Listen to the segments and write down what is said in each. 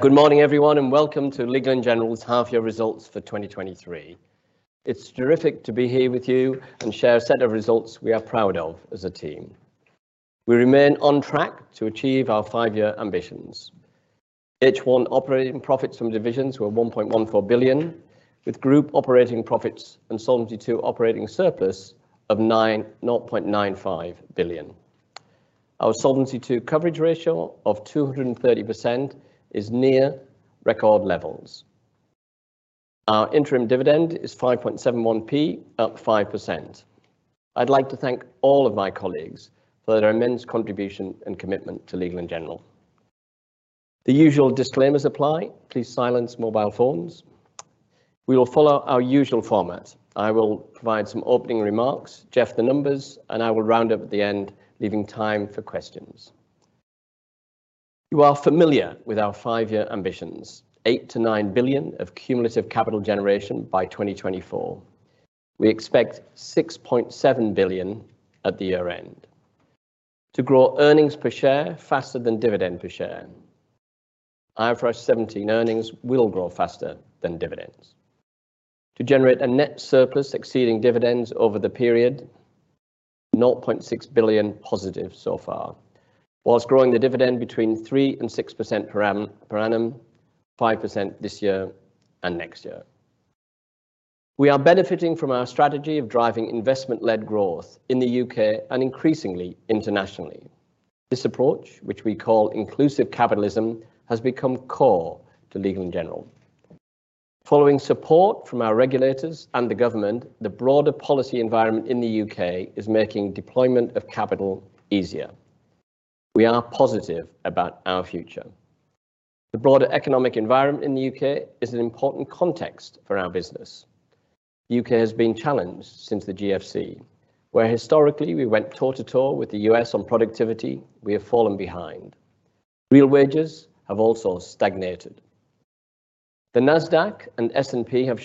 Good morning, everyone, welcome to Legal & General's half-year results for 2023. It's terrific to be here with you and share a set of results we are proud of as a team. We remain on track to achieve our five-year ambitions. H1 operating profits from divisions were 1.14 billion, with group operating profits and Solvency II operating surplus of 0.95 billion. Our Solvency II coverage ratio of 230% is near record levels. Our interim dividend is 5.71p, up 5%. I'd like to thank all of my colleagues for their immense contribution and commitment to Legal & General. The usual disclaimers apply. Please silence mobile phones. We will follow our usual format. I will provide some opening remarks, Jeff, the numbers, and I will round up at the end, leaving time for questions. You are familiar with our 5-year ambitions, 8 billion-9 billion of cumulative capital generation by 2024. We expect 6.7 billion at the year-end. To grow earnings per share faster than dividend per share. IFRS 17 earnings will grow faster than dividends. To generate a net surplus exceeding dividends over the period, 0.6 billion positive so far, while growing the dividend between 3 to 6% per annum, 5% this year and next year. We are benefiting from our strategy of driving investment-led growth in the UK and increasingly internationally. This approach, which we call Inclusive Capitalism, has become core to Legal & General Group. Following support from our regulators and the government, the broader policy environment in the UK is making deployment of capital easier. We are positive about our future. The broader economic environment in the U.K. is an important context for our business. U.K. has been challenged since the GFC, where historically, we went toe-to-toe with the U.S. on productivity, we have fallen behind. Real wages have also stagnated. The Nasdaq and S&P have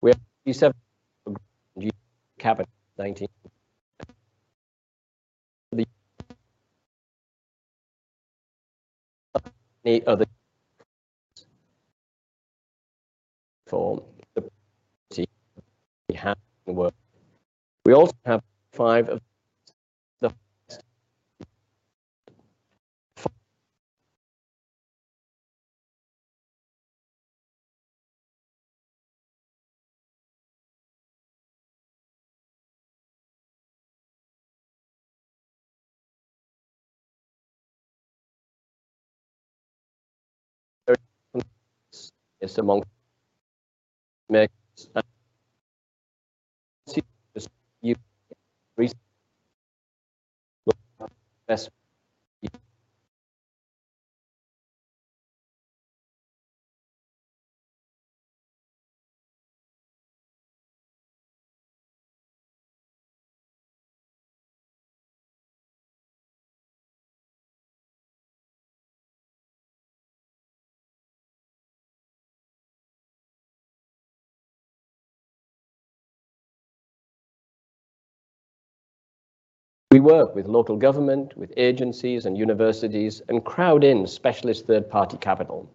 shown. We work with local government, with agencies and universities, and crowd in specialist third-party capital.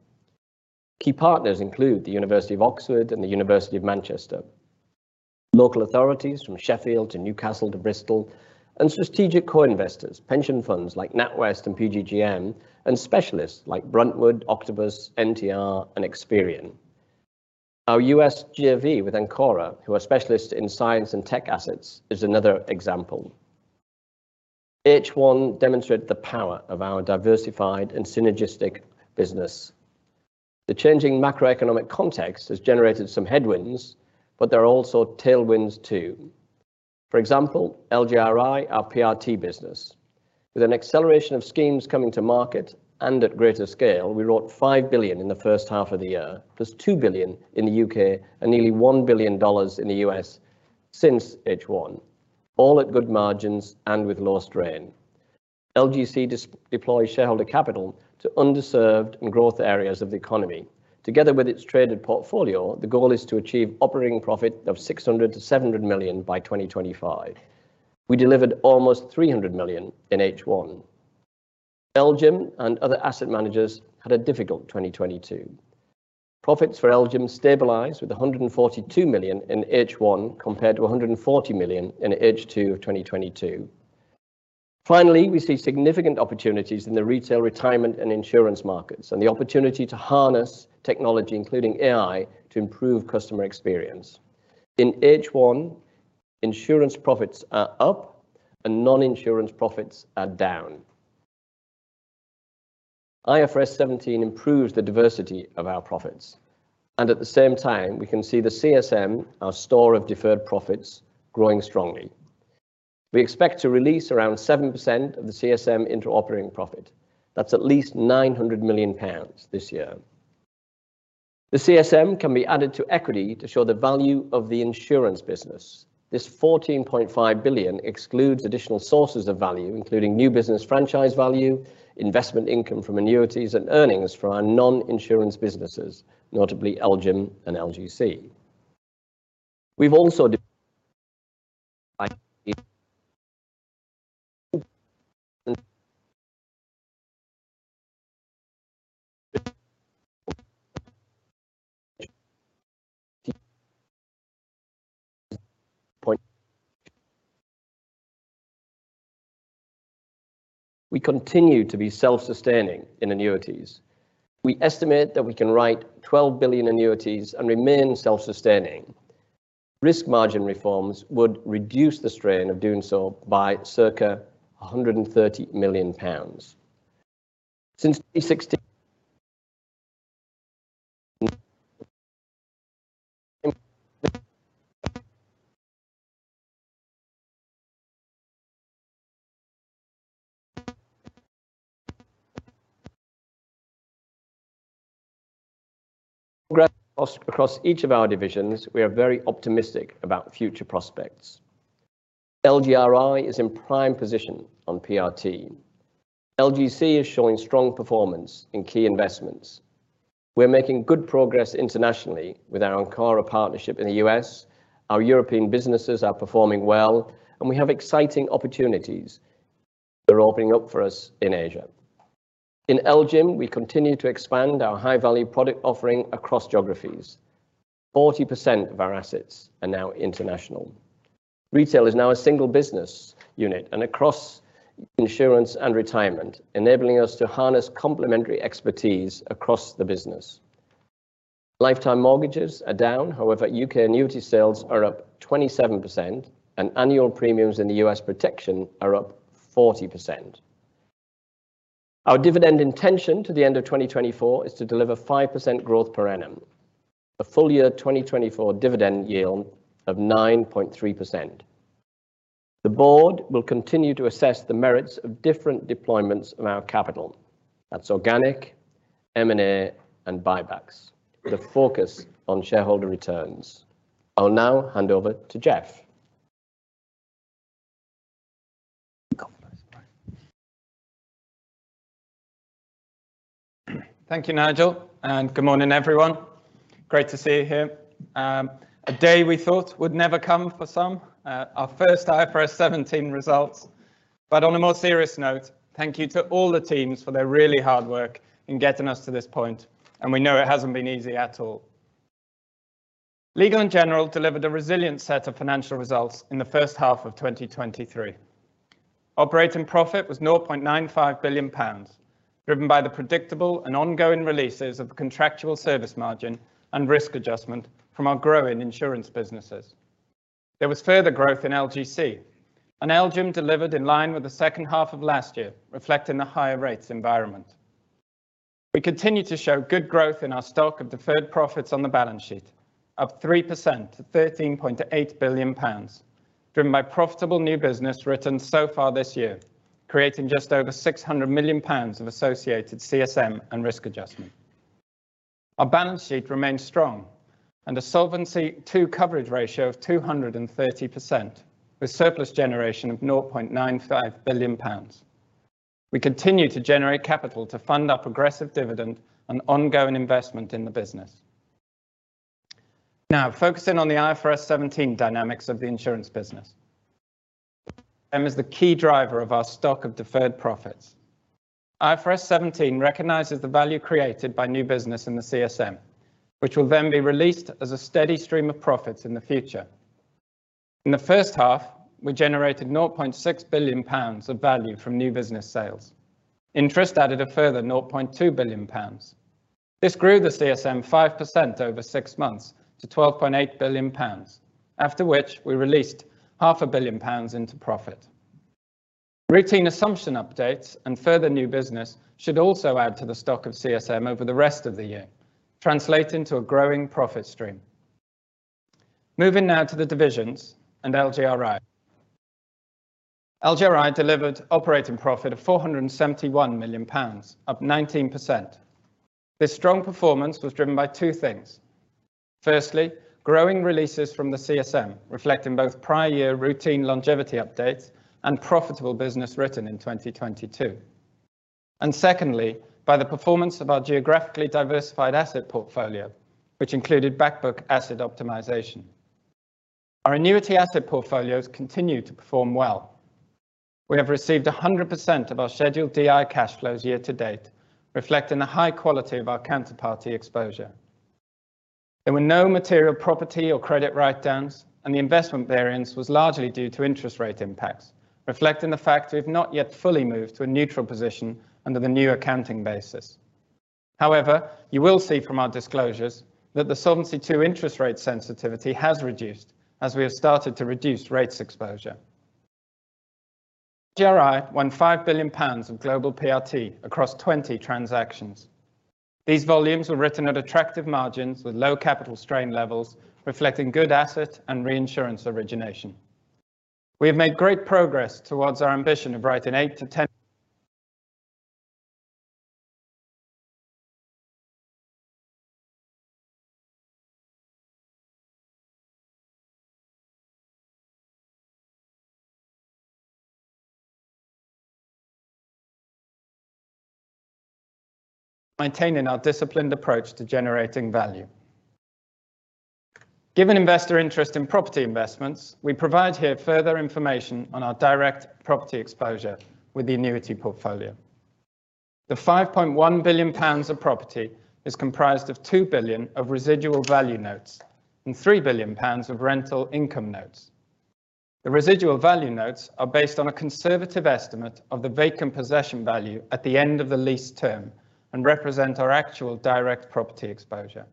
Key partners include the University of Oxford and The University of Manchester, local authorities from Sheffield to Newcastle to Bristol, and strategic co-investors, pension funds like NatWest and PGGM, and specialists like Bruntwood, Octopus, NTR, and Experian. Our U.S. JV with Ancora, who are specialists in science and tech assets, is another example. H1 demonstrated the power of our diversified and synergistic business. The changing macroeconomic context has generated some headwinds. There are also tailwinds, too. For example, LGRI, our PRT business. With an acceleration of schemes coming to market and at greater scale, we wrote 5 billion in the H1 of the year. There's 2 billion in the U.K. and nearly $1 billion in the U.S. since H1, all at good margins and with low strain. LGC deploys shareholder capital to underserved and growth areas of the economy. Together with its traded portfolio, the goal is to achieve operating profit of 600 to 700 million by 2025. We delivered almost 300 million in H1. LGIM and other asset managers had a difficult 2022. Profits for LGIM stabilized with 142 million in H1, compared to 140 million in H2 of 2022. We see significant opportunities in the retail, retirement, and insurance markets, and the opportunity to harness technology, including AI, to improve customer experience. In H1, insurance profits are up and non-insurance profits are down. IFRS 17 improves the diversity of our profits, we can see the CSM, our store of deferred profits, growing strongly. We expect to release around 7% of the CSM into operating profit. That's at least 900 million pounds this year. The CSM can be added to equity to show the value of the insurance business. This 14.5 billion excludes additional sources of value, including new business franchise value, investment income from annuities, and earnings from our non-insurance businesses, notably LGIM and LGC. We continue to be self-sustaining in annuities. We estimate that we can write 12 billion annuities and remain self-sustaining. Risk margin reforms would reduce the strain of doing so by circa 130 million pounds. Since 2016, across each of our divisions, we are very optimistic about future prospects. LGRI is in prime position on PRT. LGC is showing strong performance in key investments. We're making good progress internationally with our Ancora partnership in the US. Our European businesses are performing well, and we have exciting opportunities that are opening up for us in Asia. In LGIM, we continue to expand our high-value product offering across geographies. 40% of our assets are now international. Retail is now a single business unit and across insurance and retirement, enabling us to harness complementary expertise across the business. Lifetime mortgages are down. However, UK annuity sales are up 27%, and annual premiums in the US protection are up 40%. Our dividend intention to the end of 2024 is to deliver 5% growth per annum, a full year 2024 dividend yield of 9.3%. The board will continue to assess the merits of different deployments of our capital. That's organic, M & A, and buybacks, with a focus on shareholder returns. I'll now hand over to Jeff. Thank you, Nigel. Good morning, everyone. Great to see you here. A day we thought would never come for some, our first IFRS 17 results. On a more serious note, thank you to all the teams for their really hard work in getting us to this point, and we know it hasn't been easy at all. Legal & General delivered a resilient set of financial results in the H1 of 2023. Operating profit was 0.95 billion pounds, driven by the predictable and ongoing releases of contractual service margin and risk adjustment from our growing insurance businesses. There was further growth in LGC, and LGIM delivered in line with the H2 of last year, reflecting the higher rates environment. We continue to show good growth in our stock of deferred profits on the balance sheet, up 3% to 13.8 billion pounds, driven by profitable new business written so far this year, creating just over 600 million pounds of associated CSM and risk adjustment. Our balance sheet remains strong and a Solvency II coverage ratio of 230%, with surplus generation of 0.95 billion pounds. We continue to generate capital to fund our progressive dividend and ongoing investment in the business. Focusing on the IFRS 17 dynamics of the insurance business. CSM is the key driver of our stock of deferred profits. IFRS 17 recognizes the value created by new business in the CSM, which will then be released as a steady stream of profits in the future. In the H1, we generated 0.6 billion pounds of value from new business sales. Interest added a further 0.2 billion pounds. This grew the CSM 5% over 6 months to 12.8 billion pounds, after which we released 0.5 billion pounds into profit. Routine assumption updates and further new business should also add to the stock of CSM over the rest of the year, translating to a growing profit stream. Moving now to the divisions and LGRI. LGRI delivered operating profit of 471 million pounds, up 19%. This strong performance was driven by two things. Firstly, growing releases from the CSM, reflecting both prior year routine longevity updates and profitable business written in 2022. Secondly, by the performance of our geographically diversified asset portfolio, which included back book asset optimization. Our annuity asset portfolios continue to perform well. We have received 100% of our scheduled DI cash flows year to date, reflecting the high quality of our counterparty exposure. There were no material property or credit write-downs, and the investment variance was largely due to interest rate impacts, reflecting the fact we have not yet fully moved to a neutral position under the new accounting basis. You will see from our disclosures that the Solvency II interest rate sensitivity has reduced as we have started to reduce rates exposure. LGRI won 5 billion pounds of global PRT across 20 transactions. These volumes were written at attractive margins with low capital strain levels, reflecting good asset and reinsurance origination. We have made great progress towards our ambition of writing 8 to 10, maintaining our disciplined approach to generating value. Given investor interest in property investments, we provide here further information on our direct property exposure with the annuity portfolio. The 5.1 billion pounds of property is comprised of 2 billion of residual value notes and 3 billion pounds of rental income notes. The residual value notes are based on a conservative estimate of the vacant possession value at the end of the lease term and represent our actual direct property exposure.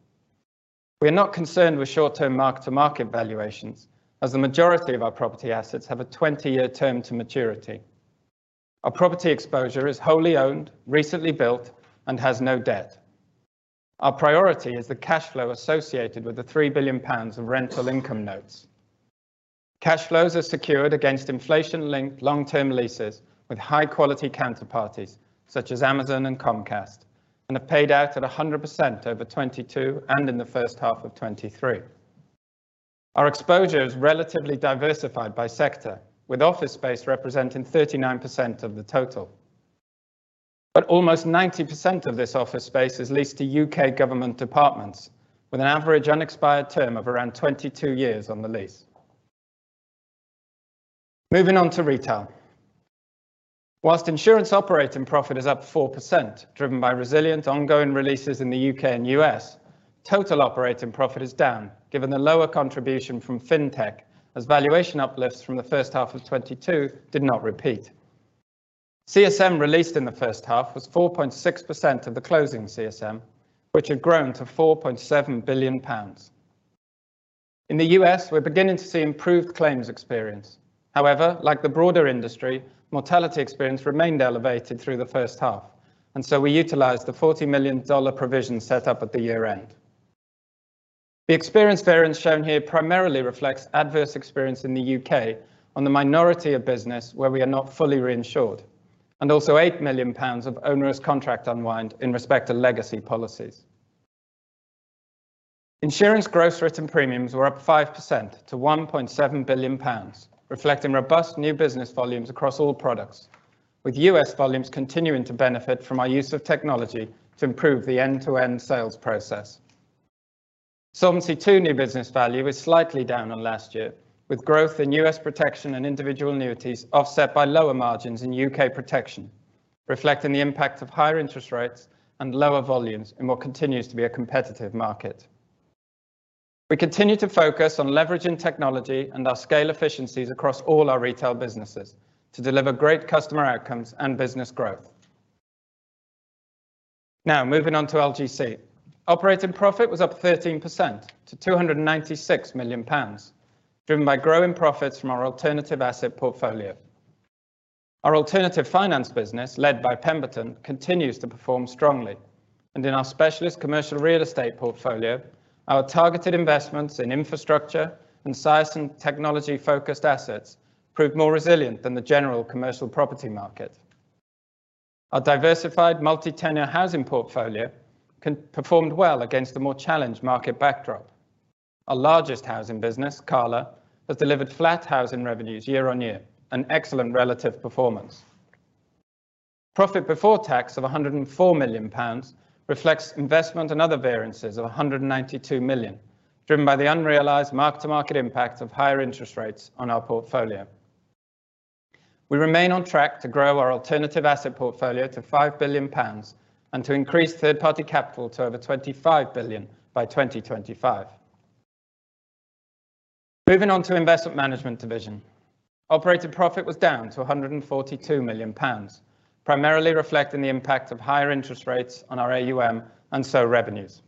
We are not concerned with short-term mark-to-market valuations, as the majority of our property assets have a 20-year term to maturity. Our property exposure is wholly owned, recently built, and has no debt. Our priority is the cash flow associated with the 3 billion pounds of rental income notes. Cash flows are secured against inflation-linked long-term leases with high quality counterparties, such as Amazon and Comcast, and are paid out at 100% over 2022 and in the H1 of 2023. Our exposure is relatively diversified by sector, with office space representing 39% of the total. Almost 90% of this office space is leased to UK government departments, with an average unexpired term of around 22 years on the lease. Moving on to retail. Whilst insurance operating profit is up 4%, driven by resilient ongoing releases in the UK and US, total operating profit is down, given the lower contribution from Fintech, as valuation uplifts from the H1 of 2022 did not repeat. CSM released in the H1 was 4.6% of the closing CSM, which had grown to 4.7 billion pounds. In the U.S., we're beginning to see improved claims experience. However, like the broader industry, mortality experience remained elevated through the H1, we utilized the $40 million provision set up at the year-end. The experience variance shown here primarily reflects adverse experience in the U.K. on the minority of business where we are not fully reinsured, also 8 million pounds of onerous contract unwind in respect to legacy policies. Insurance gross written premiums were up 5% to 1.7 billion pounds, reflecting robust new business volumes across all products, with U.S. volumes continuing to benefit from our use of technology to improve the end-to-end sales process. Solvency II new business value is slightly down on last year, with growth in U.S. protection and individual annuities offset by lower margins in U.K. protection, reflecting the impact of higher interest rates and lower volumes in what continues to be a competitive market. We continue to focus on leveraging technology and our scale efficiencies across all our retail businesses to deliver great customer outcomes and business growth. Moving on to LGC. Operating profit was up 13% to 296 million pounds, driven by growing profits from our alternative asset portfolio. Our alternative finance business, led by Pemberton, continues to perform strongly, and in our specialist commercial real estate portfolio, our targeted investments in infrastructure and science and technology-focused assets proved more resilient than the general commercial property market. Our diversified multi-tenure housing portfolio performed well against a more challenged market backdrop. Our largest housing business, Cala, has delivered flat housing revenues year-over-year, an excellent relative performance. Profit before tax of 104 million pounds reflects investment and other variances of 192 million, driven by the unrealized mark-to-market impact of higher interest rates on our portfolio. We remain on track to grow our alternative asset portfolio to 5 billion pounds and to increase third-party capital to over 25 billion by 2025. Investment Management division. Operating profit was down to 142 million pounds, primarily reflecting the impact of higher interest rates on our AUM and revenues.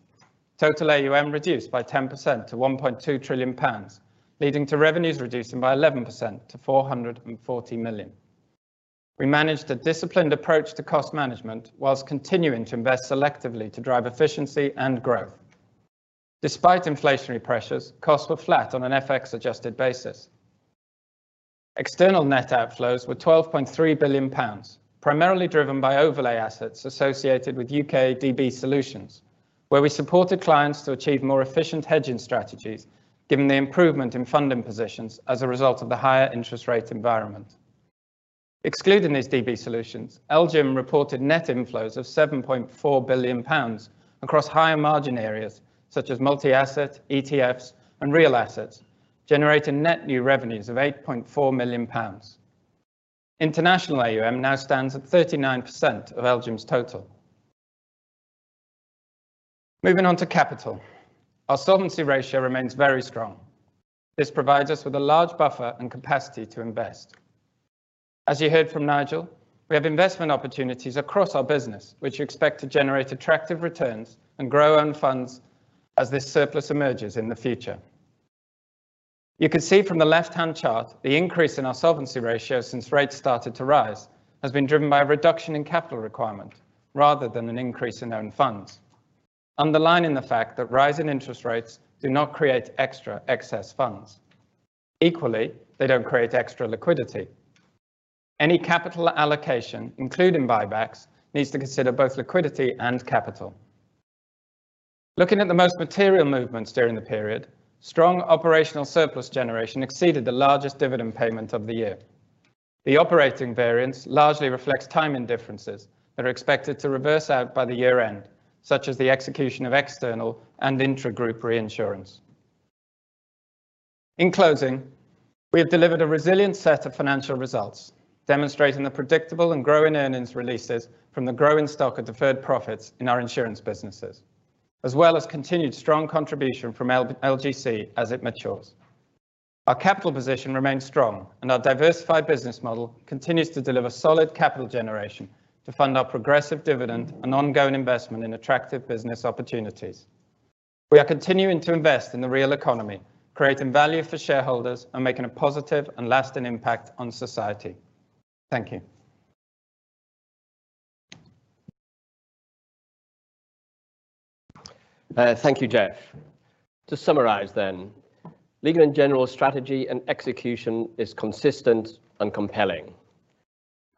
Total AUM reduced by 10% to 1.2 trillion pounds, leading to revenues reducing by 11% to 440 million. We managed a disciplined approach to cost management while continuing to invest selectively to drive efficiency and growth. Despite inflationary pressures, costs were flat on an FX-adjusted basis. External net outflows were 12.3 billion pounds, primarily driven by overlay assets associated with UK DB Solutions, where we supported clients to achieve more efficient hedging strategies, given the improvement in funding positions as a result of the higher interest rate environment. Excluding these DB solutions, LGIM reported net inflows of 7.4 billion pounds across higher margin areas, such as multi-asset, ETFs, and real assets, generating net new revenues of 8.4 million pounds. International AUM now stands at 39% of LGIM's total. Moving on to capital. Our solvency ratio remains very strong. This provides us with a large buffer and capacity to invest. As you heard from Nigel, we have investment opportunities across our business, which we expect to generate attractive returns and grow own funds... as this surplus emerges in the future. You can see from the left-hand chart, the increase in our solvency ratio since rates started to rise, has been driven by a reduction in capital requirement rather than an increase in own funds. Underlining the fact that rise in interest rates do not create extra excess funds. Equally, they don't create extra liquidity. Any capital allocation, including buybacks, needs to consider both liquidity and capital. Looking at the most material movements during the period, strong operational surplus generation exceeded the largest dividend payment of the year. The operating variance largely reflects timing differences that are expected to reverse out by the year-end, such as the execution of external and intragroup reinsurance. In closing, we have delivered a resilient set of financial results, demonstrating the predictable and growing earnings releases from the growing stock of deferred profits in our insurance businesses, as well as continued strong contribution from LGC as it matures. Our capital position remains strong. Our diversified business model continues to deliver solid capital generation to fund our progressive dividend and ongoing investment in attractive business opportunities. We are continuing to invest in the real economy, creating value for shareholders, and making a positive and lasting impact on society. Thank you. Thank you, Jeff. To summarize then, Legal & General's strategy and execution is consistent and compelling.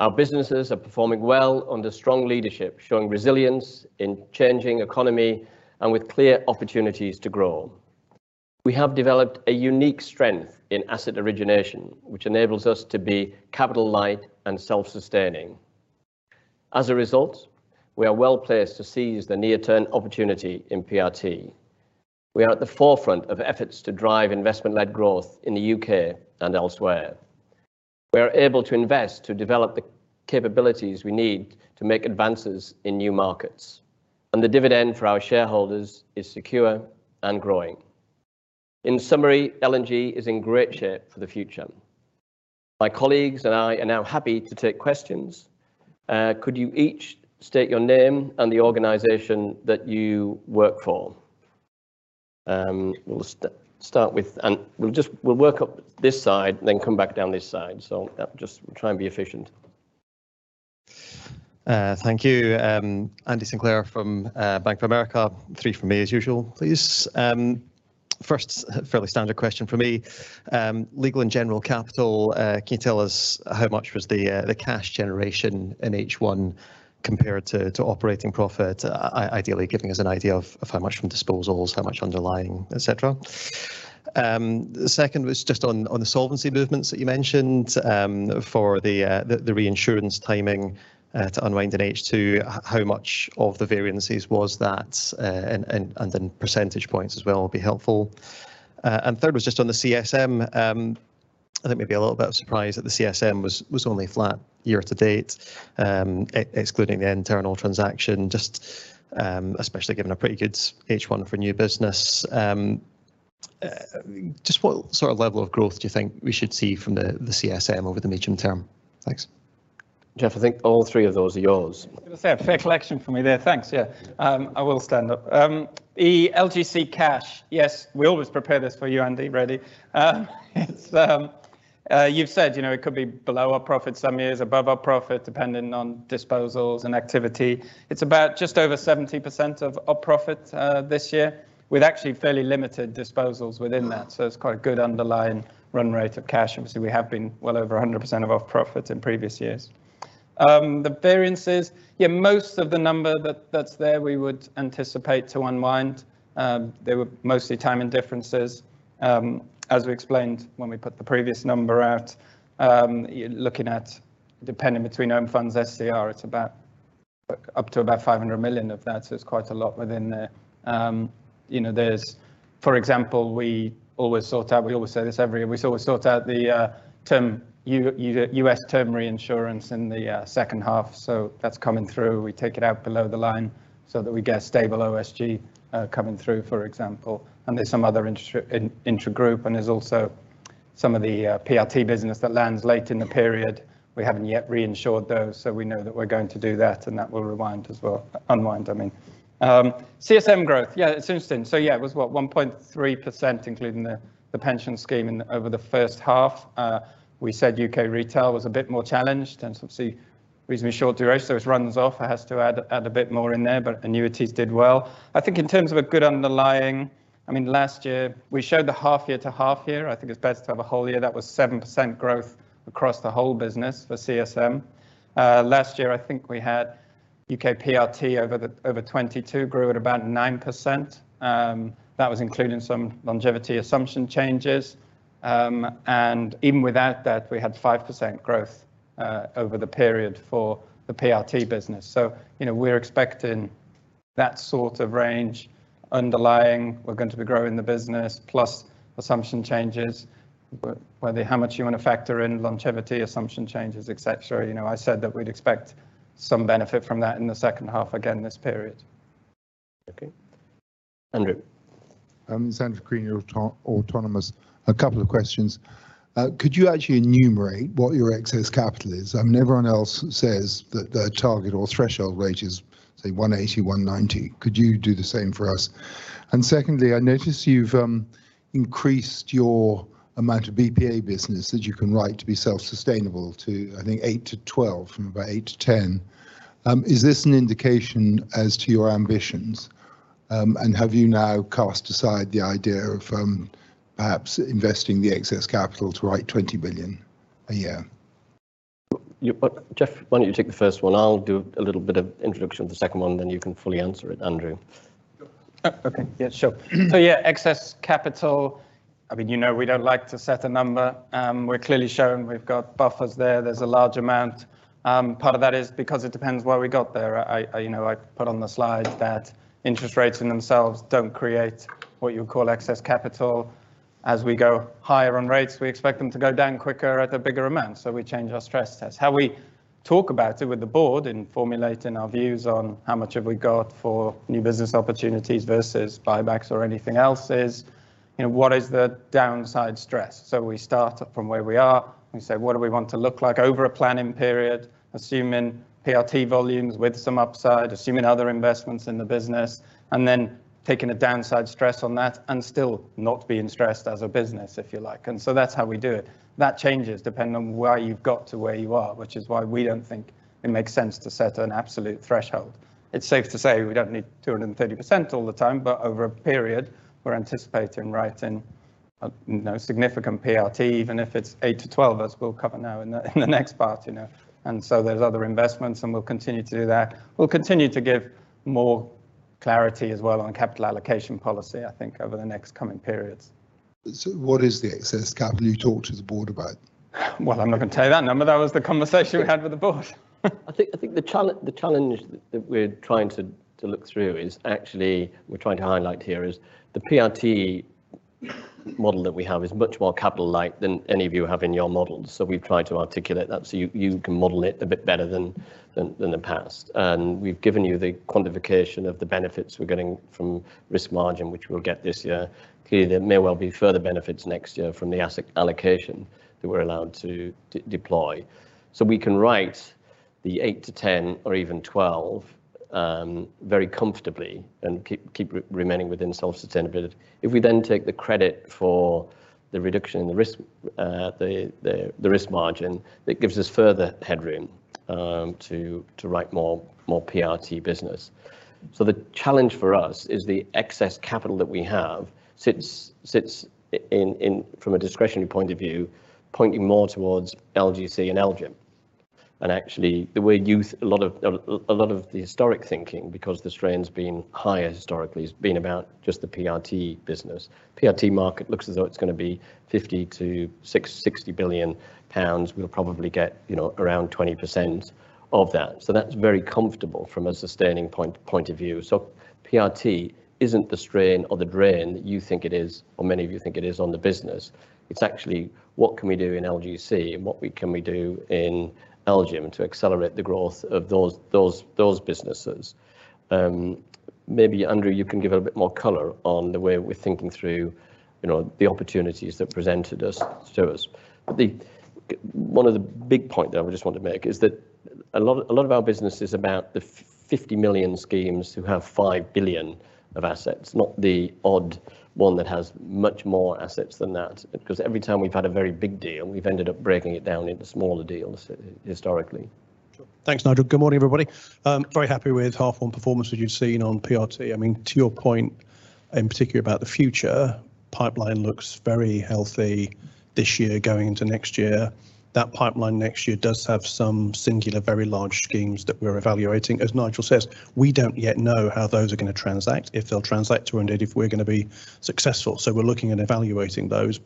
Our businesses are performing well under strong leadership, showing resilience in changing economy and with clear opportunities to grow. We have developed a unique strength in asset origination, which enables us to be capital light and self-sustaining. As a result, we are well-placed to seize the near-term opportunity in PRT. We are at the forefront of efforts to drive investment-led growth in the UK and elsewhere. We are able to invest to develop the capabilities we need to make advances in new markets. The dividend for our shareholders is secure and growing. In summary, L&G is in great shape for the future. My colleagues and I are now happy to take questions. Could you each state your name and the organization that you work for? We'll start with... We'll work up this side, then come back down this side, so, just try and be efficient. Thank you. Andy Sinclair from Bank of America. 3 from me as usual, please. First, fairly standard question from me, Legal & General Capital, can you tell us how much was the cash generation in H1 compared to operating profit? Ideally giving us an idea of how much from disposals, how much underlying, et cetera. The second was just on the solvency movements that you mentioned for the reinsurance timing to unwind in H2, how much of the variances was that? Then percentage points as well will be helpful. Third was just on the CSM. I think maybe a little bit of surprise that the CSM was, was only flat year to date, e-excluding the internal transaction, just, especially given a pretty good H1 for new business. Just what sort of level of growth do you think we should see from the, the CSM over the medium term? Thanks. Jeff, I think all three of those are yours. I was gonna say, a fair collection for me there. Thanks. Yeah. I will stand up. The LGC cash, yes, we always prepare this for you, Andy, ready. It's, you've said, you know, it could be below our profit, some years above our profit, depending on disposals and activity. It's about just over 70% of our profit this year, with actually fairly limited disposals within that. It's quite a good underlying run rate of cash. Obviously, we have been well over 100% of off profits in previous years. The variances, yeah, most of the number that, that's there, we would anticipate to unwind. They were mostly timing differences. As we explained when we put the previous number out, you're looking at depending between own funds, SCR, it's about up to about 500 million of that, so it's quite a lot within there. You know, there's, for example, we always sort out... We always say this every year. We always sort out the term, U.S. term reinsurance in the H2. That's coming through. We take it out below the line so that we get a stable OSG coming through, for example. There's some other intra, intra-group, and there's also some of the PRT business that lands late in the period. We haven't yet reinsured those, so we know that we're going to do that, and that will rewind as well, unwind, I mean. CSM growth, yeah, it's interesting. Yeah, it was, what, 1.3%, including the, the pension scheme in over the H1. We said U.K. retail was a bit more challenged, and obviously, reasonably short duration, so it runs off. It has to add, add a bit more in there, but annuities did well. I think in terms of a good underlying, I mean, last year, we showed the half-year to half-year. I think it's best to have a whole year. That was 7% growth across the whole business for CSM. Last year, I think we had U.K. PRT over the, over 2022, grew at about 9%. That was including some longevity assumption changes. Even without that, we had 5% growth over the period for the PRT business. You know, we're expecting that sort of range underlying. We're going to be growing the business, plus assumption changes, but whether how much you want to factor in longevity assumption changes, et cetera, you know, I said that we'd expect some benefit from that in the H2 again, this period. Okay. Andrew? Sandra Queenie of Autonomous. A couple of questions. Could you actually enumerate what your excess capital is? I mean, everyone else says that their target or threshold rate is, say, 180, 190. Could you do the same for us? Secondly, I noticed you've increased your amount of BPA business that you can write to be self-sustainable to, I think, 8 to 12 from about 8 to 10. Is this an indication as to your ambitions? Have you now cast aside the idea of perhaps investing the excess capital to write 20 billion a year? Well, Jeff, why don't you take the first one? I'll do a little bit of introduction to the second one. You can fully answer it, Andrew. Sure. Oh, okay. Yeah, sure. Yeah, excess capital, I mean, you know, we don't like to set a number. We're clearly showing we've got buffers there. There's a large amount. Part of that is because it depends where we got there. I, I, you know, I put on the slide that interest rates in themselves don't create what you would call excess capital. As we go higher on rates, we expect them to go down quicker at a bigger amount, so we change our stress test. How we talk about it with the board in formulating our views on how much have we got for new business opportunities versus buybacks or anything else is, you know, what is the downside stress? We start from where we are. We say, "What do we want to look like over a planning period?" Assuming PRT volumes with some upside, assuming other investments in the business, and then taking a downside stress on that and still not being stressed as a business, if you like. That's how we do it. That changes depending on where you've got to where you are, which is why we don't think it makes sense to set an absolute threshold. It's safe to say we don't need 230% all the time, but over a period, we're anticipating writing, you know, significant PRT, even if it's 8 to 12, as we'll cover now in the, in the next part, you know. There's other investments, and we'll continue to do that. We'll continue to give more clarity as well on capital allocation policy, I think, over the next coming periods. What is the excess capital you talk to the board about? Well, I'm not gonna tell you that number. That was the conversation we had with the board. I think, I think the challenge, the challenge that, that we're trying to, to look through is actually we're trying to highlight here is the PRT model that we have is much more capital light than any of you have in your models. We've tried to articulate that so you, you can model it a bit better than, than, than the past. We've given you the quantification of the benefits we're getting from risk margin, which we'll get this year. Clearly, there may well be further benefits next year from the asset allocation that we're allowed to deploy. We can write the 8 to 10 or even 12 very comfortably and keep remaining within self-sustainability. We then take the credit for the reduction in the risk, the risk margin, it gives us further headroom to write more PRT business. The challenge for us is the excess capital that we have sits in, from a discretionary point of view, pointing more towards LGC and LGIM. Actually, the way a lot of the historic thinking, because the strain's been higher historically, has been about just the PRT business. PRT market looks as though it's gonna be 50-60 billion pounds. We'll probably get, you know, around 20% of that. That's very comfortable from a sustaining point of view. PRT isn't the strain or the drain that you think it is, or many of you think it is, on the business. It's actually, what can we do in LGC and what we can we do in LGIM to accelerate the growth of those, those, those businesses? Maybe, Andrew, you can give a bit more color on the way we're thinking through, you know, the opportunities that presented us, to us. One of the big point that I just want to make is that a lot of a lot of our business is about the 50,000,000 schemes who have 5 billion of assets, not the odd one that has much more assets than that. Every time we've had a very big deal, we've ended up breaking it down into smaller deals, historically. Sure. Thanks, Nigel. Good morning, everybody. Very happy with half on performance that you've seen on PRT. I mean, to your point, in particular about the future, pipeline looks very healthy this year going into next year. That pipeline next year does have some singular, very large schemes that we're evaluating. As Nigel says, we don't yet know how those are gonna transact, if they'll transact to indeed, if we're gonna be successful. We're looking and evaluating those.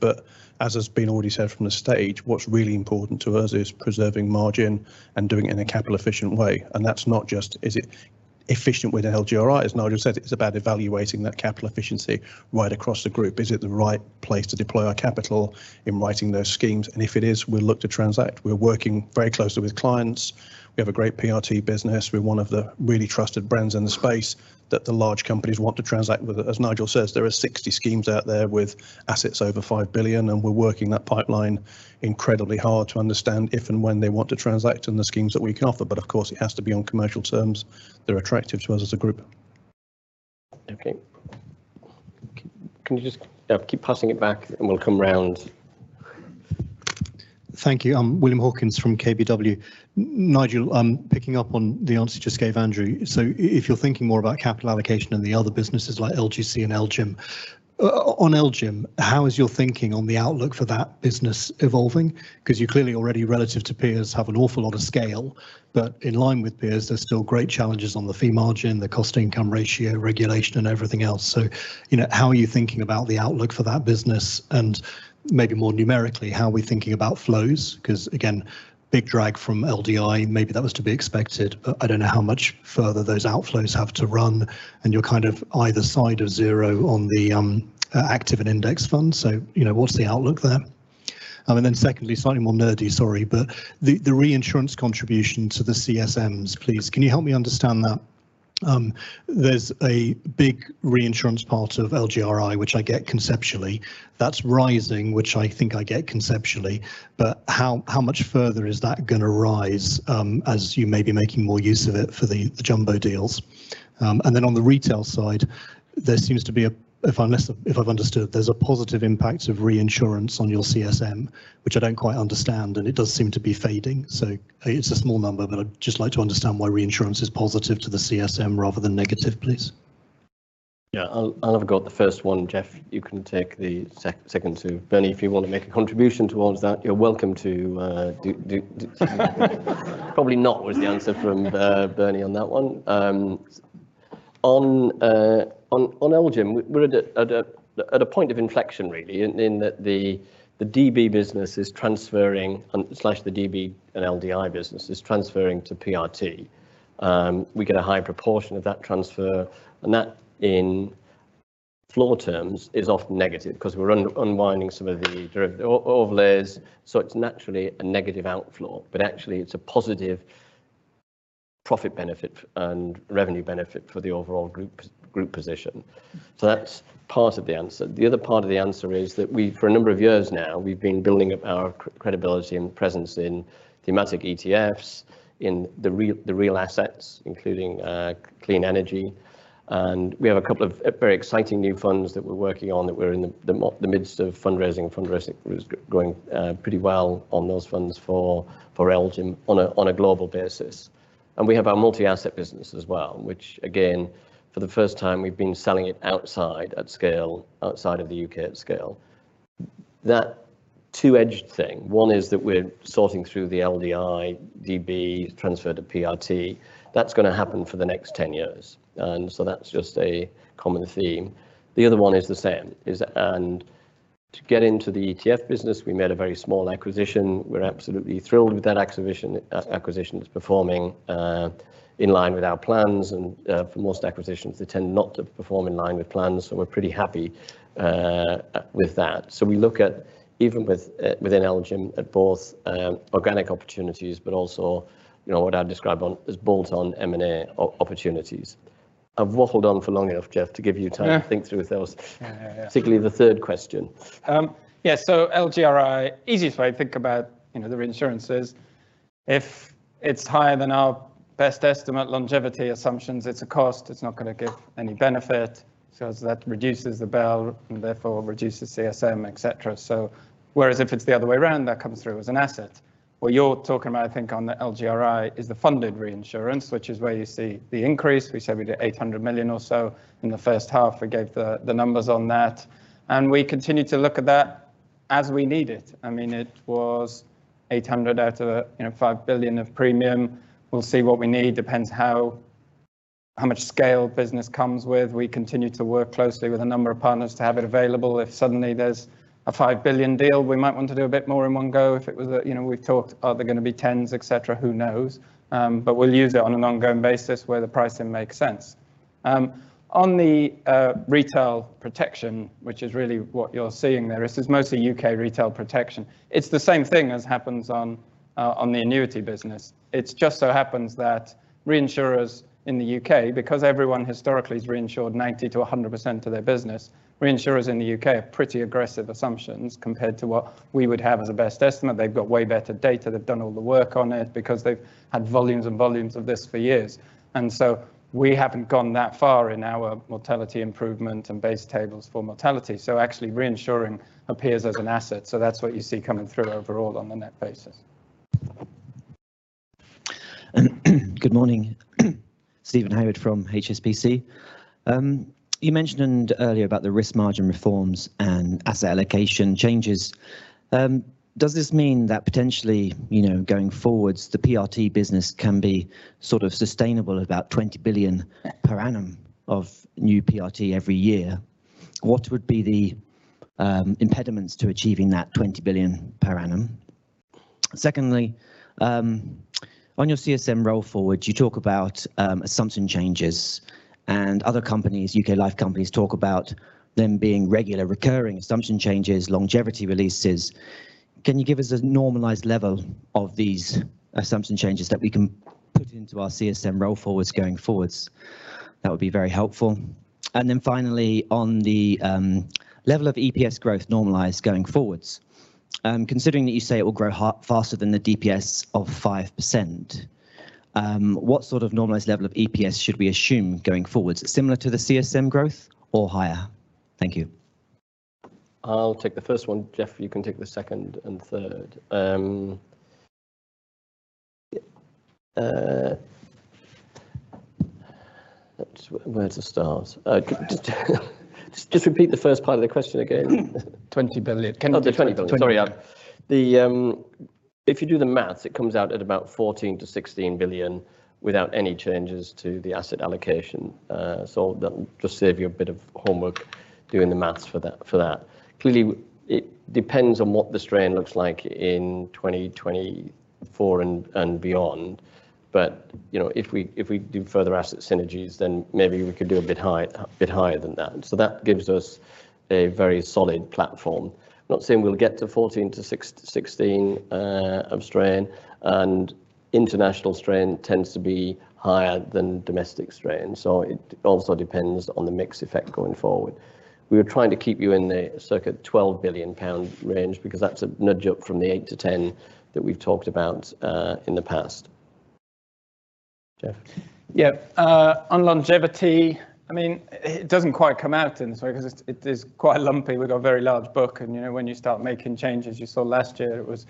As has been already said from the stage, what's really important to us is preserving margin and doing it in a capital efficient way, and that's not just, is it efficient with the LGRI. As Nigel said, it's about evaluating that capital efficiency right across the group. Is it the right place to deploy our capital in writing those schemes? If it is, we'll look to transact. We're working very closely with clients. We have a great PRT business. We're one of the really trusted brands in the space that the large companies want to transact with. As Nigel says, there are 60 schemes out there with assets over 5 billion, we're working that pipeline incredibly hard to understand if and when they want to transact and the schemes that we can offer. Of course, it has to be on commercial terms that are attractive to us as a group. Okay. Can you just Yeah, keep passing it back, and we'll come round. Thank you. I'm William Hawkins from KBW. Nigel, I'm picking up on the answer you just gave Andrew. If you're thinking more about capital allocation and the other businesses like LGC and LGIM, on LGIM, how is your thinking on the outlook for that business evolving? Cause you clearly already, relative to peers, have an awful lot of scale, but in line with peers, there's still great challenges on the fee margin, the cost income ratio, regulation, and everything else. You know, how are you thinking about the outlook for that business? Maybe more numerically, how are we thinking about flows? Cause, again, big drag from LDI, maybe that was to be expected, but I don't know how much further those outflows have to run, and you're kind of either side of zero on the active and index funds. you know, what's the outlook there? secondly, something more nerdy, sorry, but the, the reinsurance contribution to the CSMs, please, can you help me understand that? there's a big reinsurance part of LGRI, which I get conceptually. That's rising, which I think I get conceptually, but how, how much further is that gonna rise as you may be making more use of it for the, the jumbo deals? on the retail side, there seems to be a If I've understood, there's a positive impact of reinsurance on your CSM, which I don't quite understand, and it does seem to be fading. it's a small number, but I'd just like to understand why reinsurance is positive to the CSM rather than negative, please. Yeah, I'll, I'll have a go at the first one, Jeff. You can take the second two. Bernie, if you want to make a contribution towards that, you're welcome to. Probably not, was the answer from Bernie on that one. On LGIM, we're at a point of inflection really, in that the DB business is transferring, slash the DB and LDI business is transferring to PRT. We get a high proportion of that transfer, and that in floor terms is often negative, cause we're unwinding some of the derivative overlays. It's naturally a negative outflow, but actually it's a positive profit benefit and revenue benefit for the overall Group, Group position. That's part of the answer. The other part of the answer is that we, for a number of years now, we've been building up our credibility and presence in thematic ETFs, in the real assets, including clean energy. We have a couple of very exciting new funds that we're working on, that we're in the midst of fundraising. Fundraising is going pretty well on those funds for LGIM on a global basis. We have our multi-asset business as well, which again, for the first time, we've been selling it outside at scale, outside of the UK at scale. That two-edged thing, one is that we're sorting through the LDI, DB transfer to PRT. That's gonna happen for the next 10 years, and so that's just a common theme. The other one is the same, is... To get into the ETF business, we made a very small acquisition. We're absolutely thrilled with that acquisition. acquisition is performing in line with our plans, and for most acquisitions, they tend not to perform in line with plans, so we're pretty happy with that. We look at, even with, within LGIM, at both, organic opportunities, but also, you know, what I'd describe on, as bolt-on M&A opportunities. I've waffled on for long enough, Jeff, to give you time- Yeah to think through those. Yeah, yeah. Particularly the third question. Yeah, LGRI, easiest way to think about the reinsurance is, if it's higher than our best estimate longevity assumptions, it's a cost. It's not gonna give any benefit, that reduces the BAL and therefore reduces CSM, et cetera. Whereas if it's the other way around, that comes through as an asset. What you're talking about, I think, on the LGRI is the funded reinsurance, which is where you see the increase. We said we did 800 million or so in the H1. We gave the, the numbers on that, and we continue to look at that as we need it. It was 800 out of 5 billion of premium. We'll see what we need, depends how, how much scale business comes with. We continue to work closely with a number of partners to have it available. If suddenly there's a 5 billion deal, we might want to do a bit more in one go. You know, we've talked, are there gonna be tens, et cetera? Who knows? We'll use it on an ongoing basis, where the pricing makes sense. On the retail protection, which is really what you're seeing there, this is mostly UK retail protection. It's the same thing as happens on the annuity business. It just so happens that reinsurers in the UK, because everyone historically has reinsured 90 to 100% of their business, reinsurers in the UK have pretty aggressive assumptions compared to what we would have as a best estimate. They've got way better data. They've done all the work on it, because they've had volumes and volumes of this for years. We haven't gone that far in our mortality improvement and base tables for mortality. Actually, reinsuring appears as an asset, so that's what you see coming through overall on a net basis. Good morning. Steven Howard from HSBC. You mentioned earlier about the risk margin reforms and asset allocation changes. Does this mean that potentially, you know, going forwards, the PRT business can be sort of sustainable, about 20 billion per annum of new PRT every year? What would be the impediments to achieving that 20 billion per annum? Secondly, on your CSM roll forward, you talk about assumption changes, and other companies, UK life companies, talk about them being regular, recurring assumption changes, longevity releases. Can you give us a normalized level of these assumption changes that we can put into our CSM roll forwards going forwards? That would be very helpful. Then finally, on the level of EPS growth normalized going forwards, considering that you say it will grow faster than the DPS of 5%, what sort of normalized level of EPS should we assume going forwards, similar to the CSM growth or higher? Thank you. I'll take the first one. Jeff, you can take the second and third. That's... Where are the stars? Just, just repeat the first part of the question again. 20 billion. Okay, 20 billion. Sorry, the If you do the maths, it comes out at about 14 to 16 billion without any changes to the asset allocation. That will just save you a bit of homework doing the maths for that, for that. Clearly, it depends on what the strain looks like in 2023 to 2024 and beyond. You know, if we, if we do further asset synergies, then maybe we could do a bit higher than that. That gives us a very solid platform. Not saying we'll get to 14 to 16 billion of strain, and international strain tends to be higher than domestic strain, so it also depends on the mix effect going forward. We were trying to keep you in the circa 12 billion pound range, because that's a nudge up from the 8 to 10 that we've talked about in the past. Jeff? Yeah, on longevity, I mean, it doesn't quite come out in sorry, cause it's, it is quite lumpy. We've got a very large book, and, you know, when you start making changes, you saw last year it was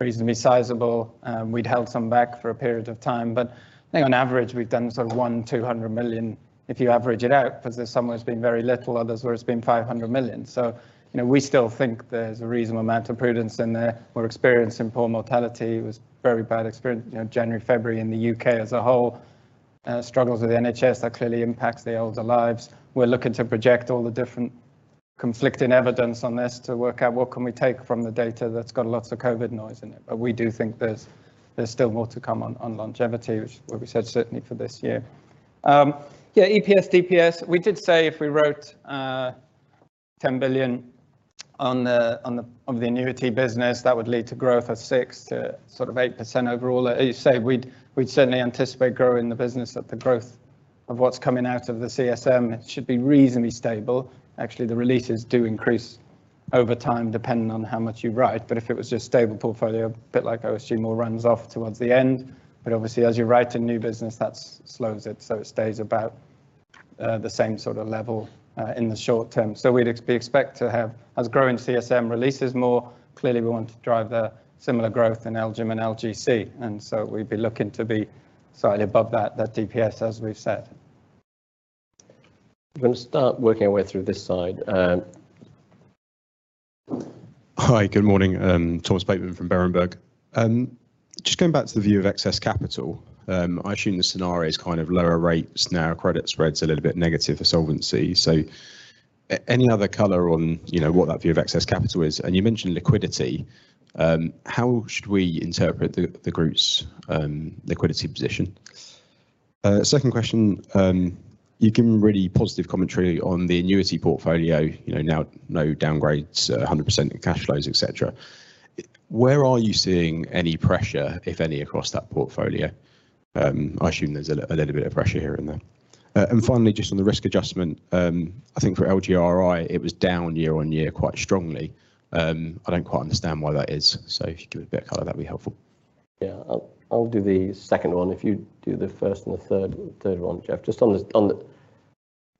reasonably sizable. We'd held some back for a period of time, but I think on average, we've done sort of 200 million, if you average it out. Cause there's some where it's been very little, others where it's been 500 million. You know, we still think there's a reasonable amount of prudence in there. We're experiencing poor mortality. It was very bad experience, you know, January, February in the U.K. as a whole. Struggles with the NHS, that clearly impacts the older lives. We're looking to project all the different conflicting evidence on this to work out what can we take from the data that's got lots of COVID noise in it. We do think there's, there's still more to come on, on longevity, which is what we said, certainly for this year. Yeah, EPS, DPS, we did say if we wrote 10 billion on the, on the, on the annuity business, that would lead to growth of 6 to 8% overall. As you say, we'd, we'd certainly anticipate growing the business, that the growth of what's coming out of the CSM should be reasonably stable. Actually, the releases do increase over time, depending on how much you write. If it was just stable portfolio, a bit like OSG more runs off towards the end, but obviously as you write a new business, that slows it, so it stays about, the same sort of level, in the short term. We expect to have... As growing CSM releases more clearly, we want to drive the similar growth in LGIM and LGC, and so we'd be looking to be slightly above that, that DPS, as we've said. We're gonna start working our way through this side. Hi, good morning, Thomas Bateman from Berenberg. Just going back to the view of excess capital, I assume the scenario is kind of lower rates now, credit spreads a little bit negative for solvency. Any other color on, you know, what that view of excess capital is? You mentioned liquidity. How should we interpret the, the group's liquidity position? Second question, you've given really positive commentary on the annuity portfolio, you know, now no downgrades, 100% in cash flows, et cetera. Where are you seeing any pressure, if any, across that portfolio? I assume there's a little bit of pressure here and there. Finally, just on the risk adjustment, I think for LGRI, it was down year-on-year, quite strongly. I don't quite understand why that is, so if you give a bit of color, that'd be helpful. Yeah. I'll, I'll do the second one if you do the first and the third, third one, Jeff. Jeff, do you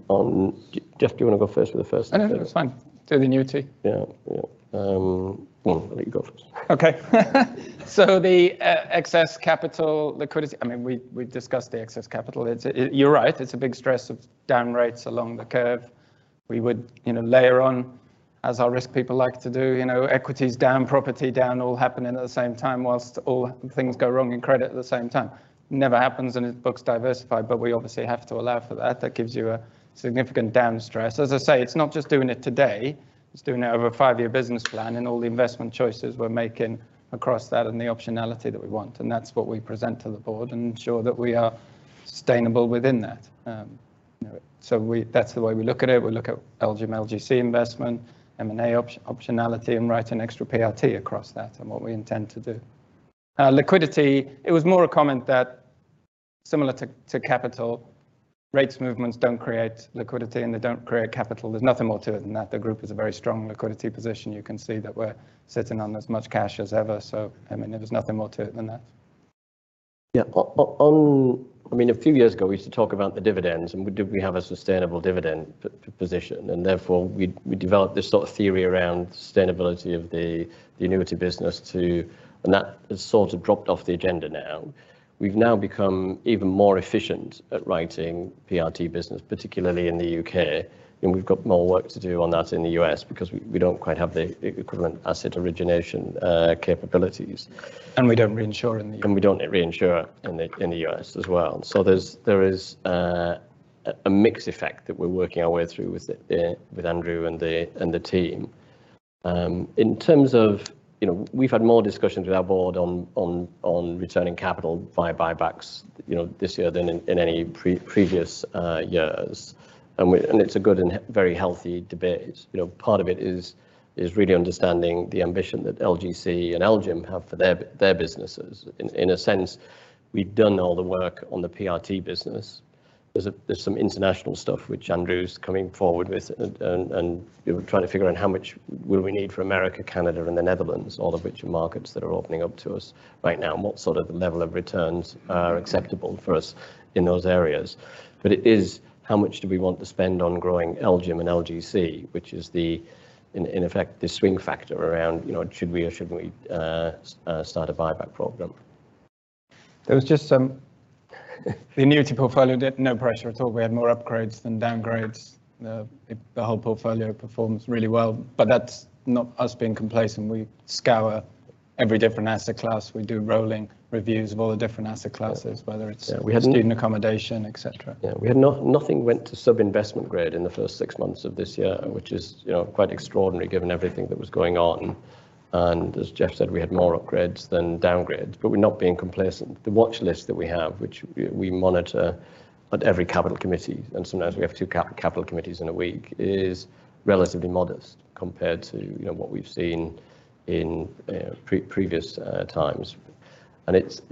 wanna go first for the first and the third? No, no, it's fine. Do the annuity. Yeah, yeah. Well, I'll let you go first. The excess capital liquidity. I mean, we, we've discussed the excess capital. It's, you're right, it's a big stress of down rates along the curve. We would, you know, layer on, as our risk people like to do, you know, equities down, property down, all happening at the same time, whilst all things go wrong in credit at the same time. Never happens, and it looks diversified, but we obviously have to allow for that. That gives you a significant down stress. As I say, it's not just doing it today, it's doing it over a five-year business plan and all the investment choices we're making across that and the optionality that we want. That's what we present to the board, ensure that we are sustainable within that. You know, so that's the way we look at it. We look at LGIM, LGC investment, M & A opt- optionality and write an extra PRT across that and what we intend to do. Liquidity, it was more a comment that similar to, to capital, rates movements don't create liquidity, and they don't create capital. There's nothing more to it than that. The group has a very strong liquidity position. You can see that we're sitting on as much cash as ever, so, I mean, there's nothing more to it than that. Yeah. I mean, a few years ago, we used to talk about the dividends, and do we have a sustainable dividend position, and therefore, we, we developed this sort of theory around sustainability of the, the annuity business to. That has sort of dropped off the agenda now. We've now become even more efficient at writing PRT business, particularly in the UK, and we've got more work to do on that in the US because we, we don't quite have the, the equivalent asset origination capabilities. We don't reinsure in the U.S. We don't reinsure in the U.S. as well. There's, there is a mix effect that we're working our way through with Andrew and the team. In terms of, you know, we've had more discussions with our board on returning capital via buybacks, you know, this year than in any previous years. And it's a good and very healthy debate. You know, part of it is really understanding the ambition that LGC and LGIM have for their businesses. In a sense, we've done all the work on the PRT business. There's some international stuff which Andrew's coming forward with, you know, trying to figure out how much will we need for America, Canada, and the Netherlands, all of which are markets that are opening up to us right now, and what sort of the level of returns are acceptable for us in those areas. It is, how much do we want to spend on growing LGIM and LGC, which is the, in effect, the swing factor around, you know, should we or should we start a buyback program? The annuity portfolio, no pressure at all. We had more upgrades than downgrades. The whole portfolio performs really well. That's not us being complacent. We scour all- every different asset class. We do rolling reviews of all the different asset classes, whether it's- Yeah, we. student accommodation, et cetera. Yeah, we had nothing went to sub-investment grade in the first six months of this year, which is, you know, quite extraordinary given everything that was going on. As Jeff said, we had more upgrades than downgrades, but we're not being complacent. The watchlist that we have, which we monitor at every capital committee, and sometimes we have two capital committees in a week, is relatively modest compared to, you know, what we've seen in previous times. It's,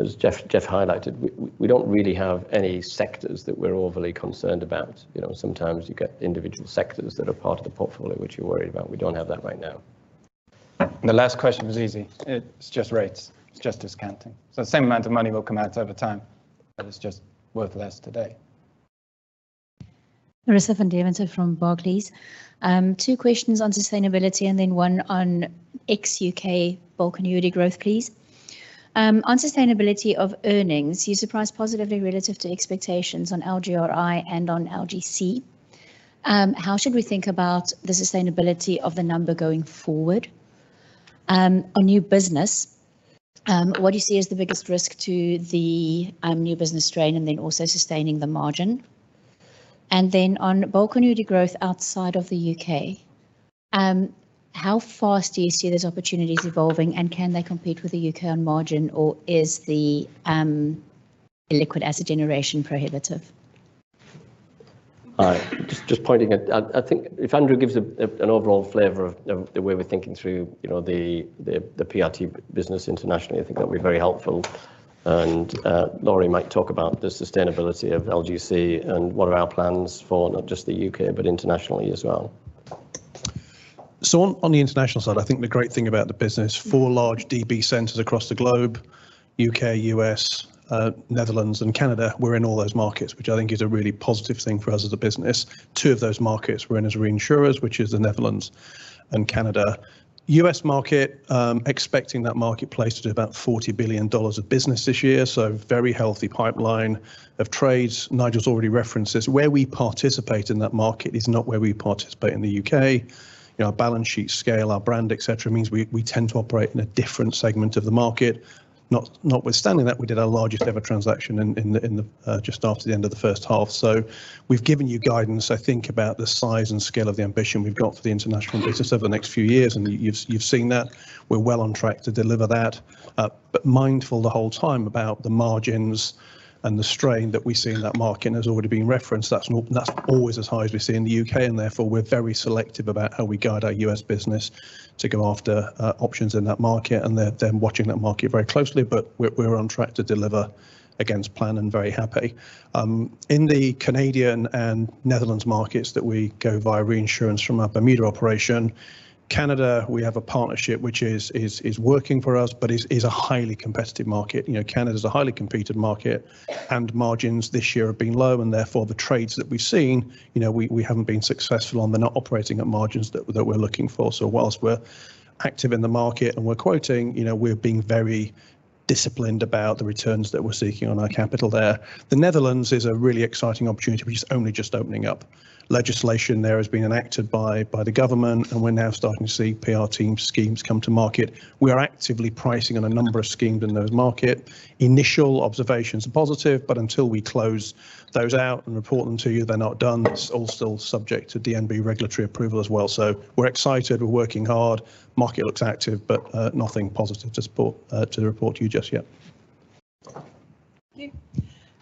as Jeff highlighted, we don't really have any sectors that we're overly concerned about. You know, sometimes you get individual sectors that are part of the portfolio which you're worried about. We don't have that right now. The last question was easy. It's just rates, it's just discounting. The same amount of money will come out over time, but it's just worth less today. Marissa van Denant from Barclays. 2 questions on sustainability and then one on ex-UK bulk annuity growth, please. On sustainability of earnings, you surprised positively relative to expectations on LGRI and on LGC. How should we think about the sustainability of the number going forward? On new business, what do you see as the biggest risk to the new business strain, and then also sustaining the margin? On bulk annuity growth outside of the UK, how fast do you see those opportunities evolving, and can they compete with the UK on margin, or is the illiquid asset generation prohibitive? I think if Andrew gives an overall flavor of the way we're thinking through, you know, the PRT business internationally, I think that'll be very helpful. Laurie might talk about the sustainability of LGC and what are our plans for not just the UK, but internationally as well. On, on the international side, I think the great thing about the business, four large DB centers across the globe, UK, US, Netherlands, and Canada. We're in all those markets, which I think is a really positive thing for us as a business. Two of those markets we're in as reinsurers, which is the Netherlands and Canada. US market, expecting that marketplace to do about $40 billion of business this year, so very healthy pipeline of trades. Nigel's already referenced this. Where we participate in that market is not where we participate in the UK. You know, our balance sheet scale, our brand, et cetera, means we, we tend to operate in a different segment of the market. Not notwithstanding that, we did our largest ever transaction in, in the, in the, just after the end of the H1. We've given you guidance, I think, about the size and scale of the ambition we've got for the international business over the next few years, and you've, you've seen that. We're well on track to deliver that. Mindful the whole time about the margins and the strain that we see in that market has already been referenced. That's not, that's always as high as we see in the UK, and therefore, we're very selective about how we guide our US business to go after options in that market, and then, then watching that market very closely. We're, we're on track to deliver against plan and very happy. In the Canadian and Netherlands markets that we go via reinsurance from our Bermuda operation, Canada, we have a partnership which is, is, is working for us, but is, is a highly competitive market. You know, Canada is a highly competitive market, and margins this year have been low, and therefore, the trades that we've seen, you know, we, we haven't been successful, and they're not operating at margins that we're, that we're looking for. Whilst we're active in the market and we're quoting, you know, we're being very disciplined about the returns that we're seeking on our capital there. The Netherlands is a really exciting opportunity, which is only just opening up. Legislation there has been enacted by, by the government, and we're now starting to see PRT schemes come to market. We are actively pricing on a number of schemes in that market. Initial observations are positive, but until we close those out and report them to you, they're not done. It's all still subject to DNB regulatory approval as well. We're excited. We're working hard. Market looks active, but nothing positive to support, to report to you just yet. Thank you.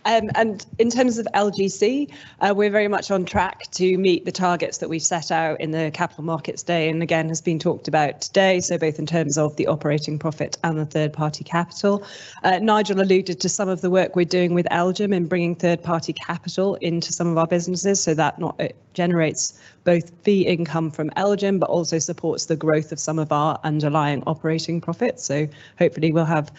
In terms of LGC, we're very much on track to meet the targets that we set out in the capital markets day, and again, has been talked about today, so both in terms of the operating profit and the third-party capital. Nigel alluded to some of the work we're doing with LGIM in bringing third-party capital into some of our businesses so that not only generates both fee income from LGIM but also supports the growth of some of our underlying operating profits. Hopefully, we'll have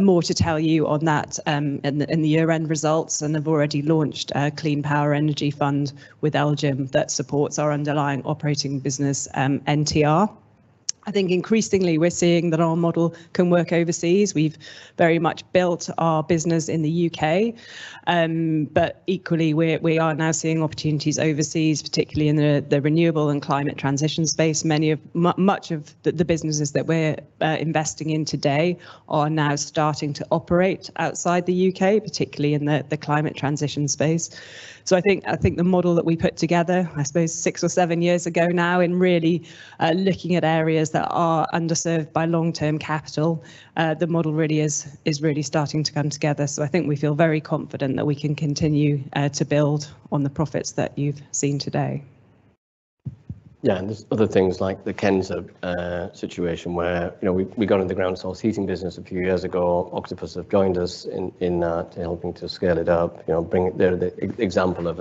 more to tell you on that in the year-end results. Have already launched a clean power energy fund with LGIM that supports our underlying operating business, NTR. Increasingly, we're seeing that our model can work overseas. We've very much built our business in the U.K., equally, we're, we are now seeing opportunities overseas, particularly in the, the renewable and climate transition space. Much of the, the businesses that we're investing in today are now starting to operate outside the U.K., particularly in the, the climate transition space. I think, I think the model that we put together, I suppose six or seven years ago now, in really looking at areas that are underserved by long-term capital, the model really is, is really starting to come together. I think we feel very confident that we can continue to build on the profits that you've seen today. Yeah, there's other things like the Kensa situation, where, you know, we, we got into the ground source heating business a few years ago. Octopus have joined us in, in that, in helping to scale it up. You know, bring... They're the example of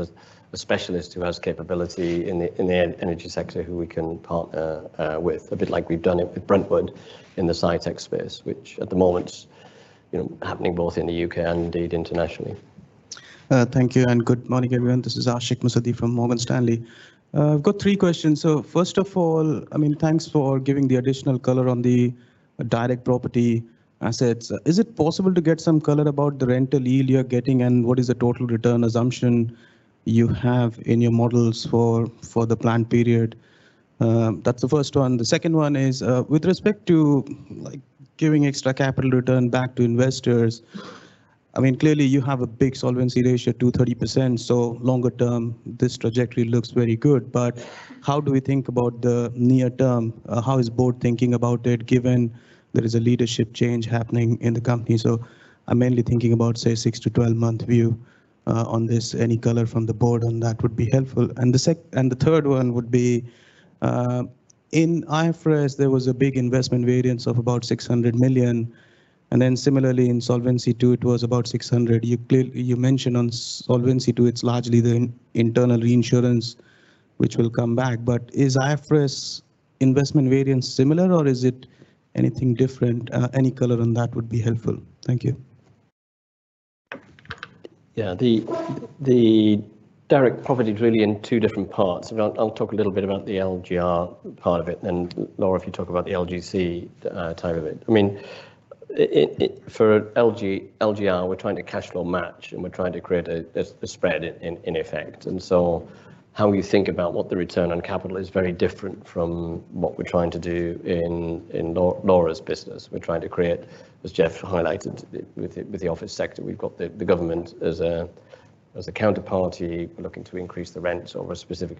a, a specialist who has capability in the energy sector, who we can partner with, a bit like we've done it with Bruntwood in the SciTech space, which at the moment, you know, happening both in the UK and indeed internationally. Thank you, good morning, everyone. This is Aashish Musaddi from Morgan Stanley. I've got 3 questions. First of all, I mean, thanks for giving the additional color on the direct property assets. Is it possible to get some color about the rental yield you're getting, and what is the total return assumption you have in your models for, for the planned period? That's the first one. The second one is, with respect to, like, giving extra capital return back to investors- I mean, clearly you have a big solvency ratio, 230%, so longer term, this trajectory looks very good. How do we think about the near term? How is board thinking about it, given there is a leadership change happening in the company? I'm mainly thinking about, say, 6-12 month view on this. Any color from the board on that would be helpful. The sec- and the third one would be, in IFRS, there was a big investment variance of about 600 million, and then similarly, in Solvency II, it was about 600 million. You clearly... You mentioned on Solvency II, it's largely the in- internal reinsurance which will come back. Is IFRS investment variance similar, or is it anything different? Any color on that would be helpful. Thank you. Yeah, the, the direct property is really in two different parts. I'll, I'll talk a little bit about the LGRI part of it, and Laura, if you talk about the Legal & General Capital type of it. I mean, it, it, for LGRI, we're trying to cash flow match, and we're trying to create a, a, a spread in, in, in effect. So how you think about what the return on capital is very different from what we're trying to do in, in Laura's business. We're trying to create, as Jeff highlighted, with the, with the office sector, we've got the, the government as a, as a counterparty, looking to increase the rents over a specific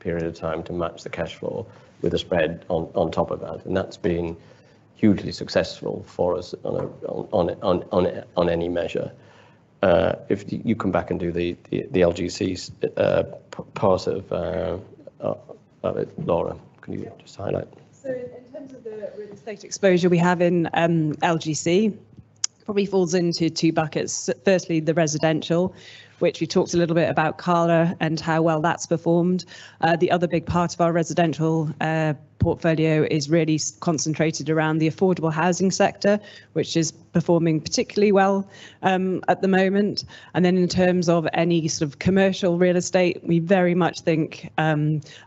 period of time to match the cash flow with a spread on, on top of that. That's been hugely successful for us on a, on, on, on, on any measure. If you come back and do the, the, the LGC's, part of, of it, Laura, can you just highlight? In terms of the real estate exposure we have in LGC, probably falls into two buckets. Firstly, the residential, which we talked a little bit about Cala and how well that's performed. The other big part of our residential portfolio is really concentrated around the affordable housing sector, which is performing particularly well at the moment. In terms of any sort of commercial real estate, we very much think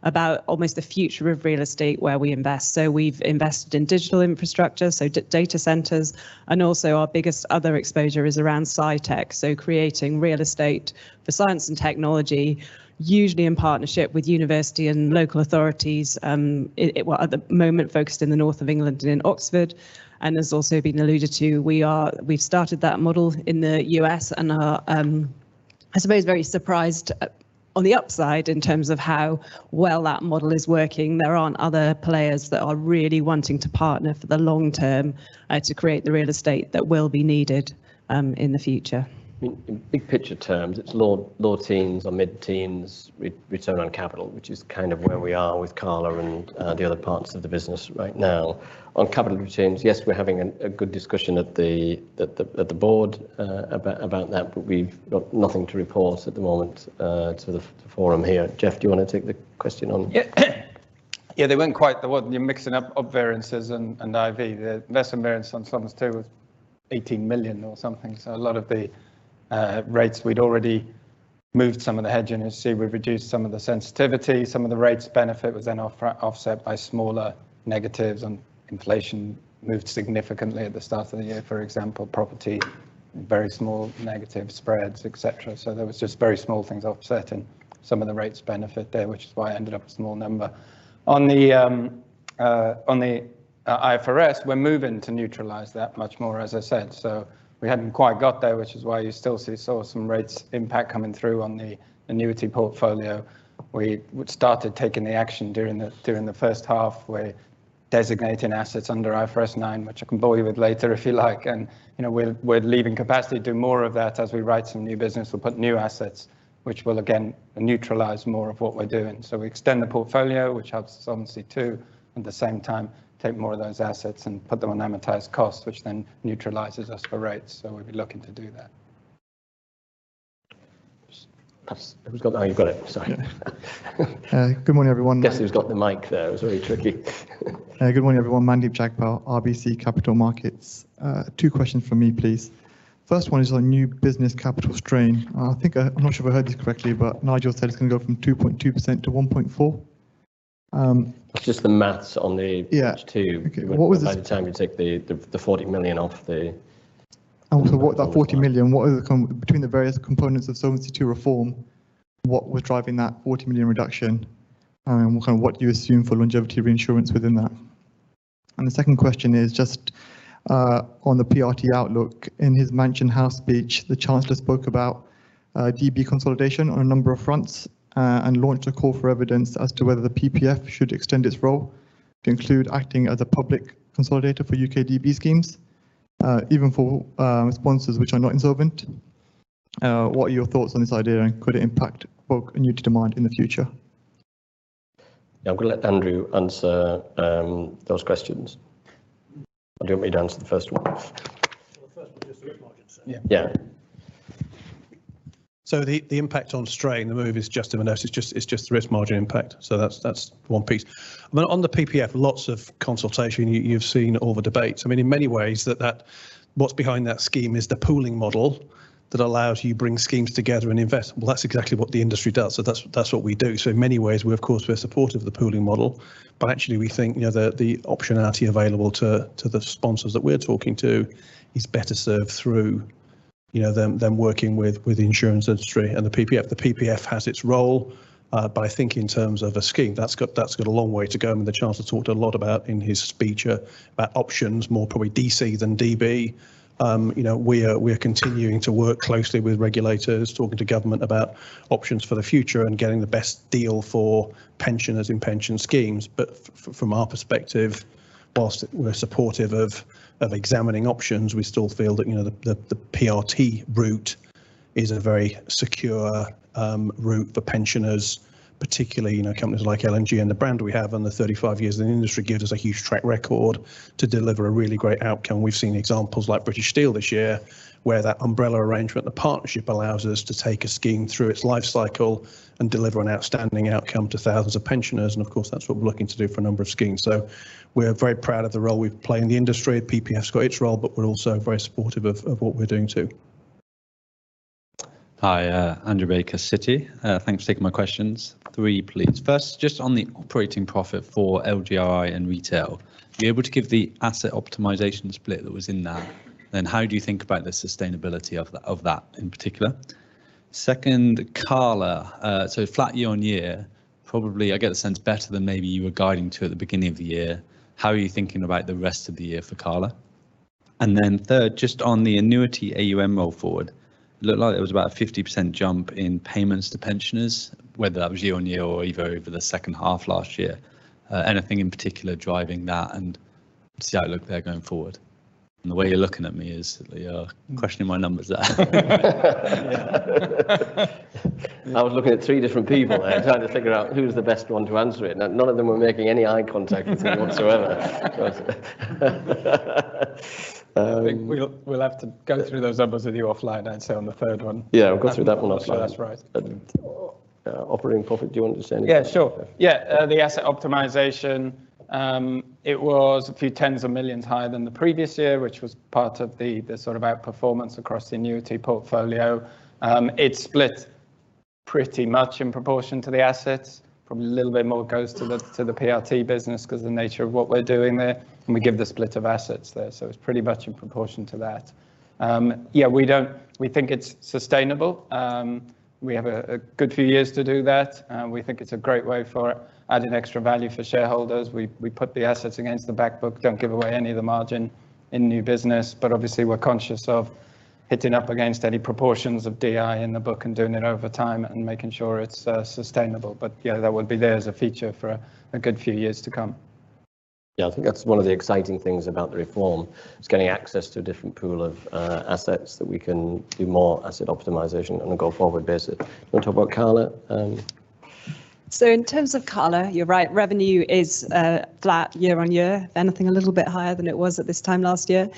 about almost the future of real estate where we invest. We've invested in digital infrastructure, so data centers, and also our biggest other exposure is around SciTech. Creating real estate for science and technology, usually in partnership with university and local authorities. Well, at the moment, focused in the north of England and in Oxford, and has also been alluded to. We are... We've started that model in the US, and are, I suppose, very surprised, on the upside in terms of how well that model is working. There aren't other players that are really wanting to partner for the long term, to create the real estate that will be needed, in the future. In big picture terms, it's low teens or mid-teens return on capital, which is kind of where we are with Cala and the other parts of the business right now. On capital returns, yes, we're having a good discussion at the board about that, but we've got nothing to report at the moment to the forum here. Jeff, do you want to take the question on. Yeah. Yeah, they weren't quite. They weren't. You're mixing up variances and IV. The investment variance on Solvency II was 18 million or something. A lot of the rates, we'd already moved some of the hedges and see we've reduced some of the sensitivity. Some of the rates benefit was then offset by smaller negatives, and inflation moved significantly at the start of the year. For example, property, very small negative spreads, et cetera. There was just very small things offsetting some of the rates benefit there, which is why I ended up a small number. On the IFRS, we're moving to neutralize that much more, as I said. We hadn't quite got there, which is why you still see sort of some rates impact coming through on the annuity portfolio. We started taking the action during the H1. We're designating assets under IFRS 9, which I can bore you with later, if you like. You know, we're leaving capacity to do more of that as we write some new business. We'll put new assets, which will again neutralize more of what we're doing. We extend the portfolio, which helps Solvency II, at the same time, take more of those assets and put them on amortized costs, which then neutralizes us for rates. We'll be looking to do that. Who's got... Oh, you've got it. Sorry. Good morning, everyone. Guess who's got the mic there? It was very tricky. Good morning, everyone. Mandeep Jagpal, RBC Capital Markets. Two questions from me, please. First one is on new business capital strain. I think, I'm not sure if I heard this correctly, but Nigel said it's going to go from 2.2 to 1.4%. Just the math on the- Yeah page 2. What was the... By the time you take the 40 million off. That 40 million, what are the between the various components of Solvency II reform, what was driving that 40 million reduction, and kind of what do you assume for longevity reinsurance within that? The second question is just on the PRT outlook. In his Mansion House speech, the Chancellor spoke about DB consolidation on a number of fronts, and launched a call for evidence as to whether the PPF should extend its role to include acting as a public consolidator for UK DB schemes, even for sponsors which are not insolvent. What are your thoughts on this idea, and could it impact new demand in the future? Yeah, I'm going to let Andrew answer those questions. Do you want me to answer the first one? The first one is the risk margin. Yeah. The, the impact on strain, the move is just in the nurse. It's just, it's just the risk margin impact. That's, that's one piece. On the PPF, lots of consultation, you, you've seen all the debates. I mean, in many ways, that, that. What's behind that scheme is the pooling model that allows you to bring schemes together and invest. That's exactly what the industry does. That's, that's what we do. In many ways, we're of course, we're supportive of the pooling model, but actually we think, you know, the, the optionality available to, to the sponsors that we're talking to is better served through- ... you know, than, than working with, with the insurance industry and the PPF. The PPF has its role, but I think in terms of a scheme that's got a long way to go. The chancellor talked a lot about in his speech, about options, more probably DC than DB. You know, we are, we are continuing to work closely with regulators, talking to government about options for the future, and getting the best deal for pensioners in pension schemes. From our perspective, whilst we're supportive of, of examining options, we still feel that, you know, the, the, the PRT route is a very secure route for pensioners. Particularly, you know, companies like L&G and the brand we have, and the 35 years in the industry gives us a huge track record to deliver a really great outcome. We've seen examples like British Steel this year, where that umbrella arrangement, the partnership, allows us to take a scheme through its life cycle and deliver an outstanding outcome to thousands of pensioners. Of course, that's what we're looking to do for a number of schemes. We're very proud of the role we play in the industry. PPF's got its role, but we're also very supportive of what we're doing, too. Hi, Andrew Baker, Citi. Thanks for taking my questions. 3, please. First, just on the operating profit for LGRI and retail, were you able to give the asset optimization split that was in that? How do you think about the sustainability of that, of that in particular? Second, Cala. Flat year on year, probably I get the sense better than maybe you were guiding to at the beginning of the year. How are you thinking about the rest of the year for Cala? Then 3rd, just on the annuity AUM roll forward, looked like there was about a 50% jump in payments to pensioners, whether that was year on year or even over the H2 last year. Anything in particular driving that, and see how it looked there going forward? The way you're looking at me is, you're questioning my numbers there. I was looking at 3 different people and trying to figure out who's the best one to answer it. None, none of them were making any eye contact with me whatsoever. I think we'll, we'll have to go through those numbers with you offline, I'd say, on the third one. Yeah, we'll go through that one offline. That's right. Operating profit, do you want to say anything? Yeah, sure. Yeah, the asset optimization, it was a few tens of millions GBP higher than the previous year, which was part of the sort of outperformance across the annuity portfolio. It split pretty much in proportion to the assets. Probably a little bit more goes to the PRT business, cause the nature of what we're doing there, and we give the split of assets there, so it's pretty much in proportion to that. Yeah, we don't... We think it's sustainable. We have a good few years to do that, and we think it's a great way for adding extra value for shareholders. We put the assets against the back book. Don't give away any of the margin in new business, but obviously we're conscious of hitting up against any proportions of DI in the book and doing it over time and making sure it's sustainable. Yeah, that would be there as a feature for a good few years to come. Yeah, I think that's one of the exciting things about the reform, is getting access to a different pool of assets that we can do more asset optimization on a go-forward basis. You want to talk about Cala? In terms of Cala, you're right, revenue is flat year-over-year. Anything a little bit higher than it was at this time last year.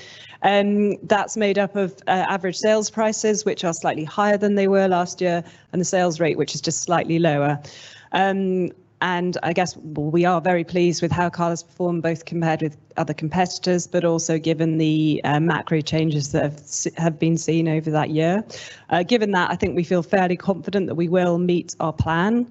That's made up of average sales prices, which are slightly higher than they were last year, and the sales rate, which is just slightly lower. I guess we are very pleased with how Cala's performed, both compared with other competitors, but also given the macro changes that have been seen over that year. Given that, I think we feel fairly confident that we will meet our plan.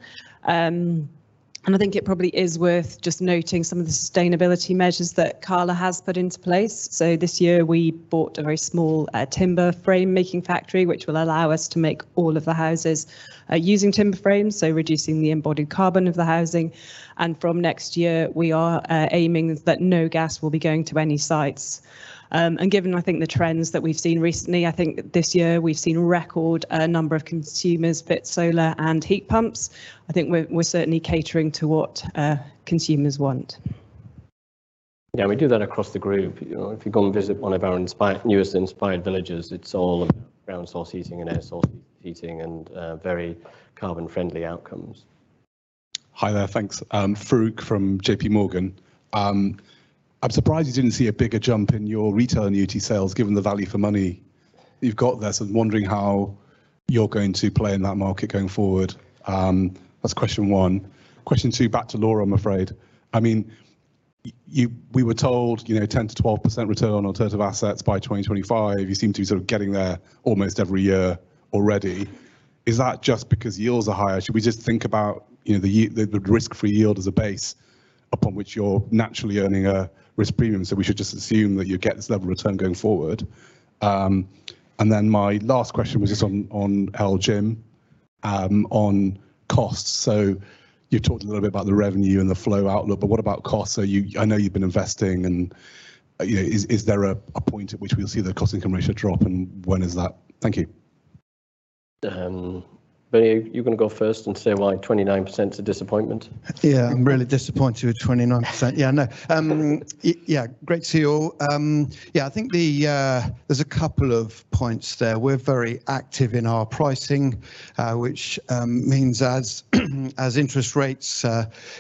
I think it probably is worth just noting some of the sustainability measures that Cala has put into place. This year we bought a very small timber frame making factory, which will allow us to make all of the houses using timber frames, so reducing the embodied carbon of the housing. From next year, we are aiming that no gas will be going to any sites. Given, I think, the trends that we've seen recently, I think this year we've seen a record number of consumers fit solar and heat pumps. I think we're certainly catering to what consumers want. Yeah, we do that across the group. You know, if you go and visit one of our newest Inspired Villages, it's all about ground source heating and air source heating, and very carbon-friendly outcomes. Hi there. Thanks. Farooq from J.P. Morgan. I'm surprised you didn't see a bigger jump in your retail annuity sales, given the value for money you've got there. I'm wondering how you're going to play in that market going forward. That's question one. Question two, back to Laura, I'm afraid. I mean, you know, we were told, you know, 10%-12% return on alternative assets by 2025. You seem to be sort of getting there almost every year already. Is that just because yields are higher? Should we just think about, you know, the risk-free yield as a base upon which you're naturally earning a risk premium, so we should just assume that you'll get this level of return going forward? My last question was just on, on LGEN, on costs. You've talked a little bit about the revenue and the flow outlook, but what about costs? You... I know you've been investing and, you know, is there a point at which we'll see the cost income ratio drop, and when is that? Thank you. Benny, you're gonna go first and say why 29%'s a disappointment? Yeah, I'm really disappointed with 29%. Yeah, no. Yeah, great to see you all. Yeah, there's a couple of points there. We're very active in our pricing, which means as interest rates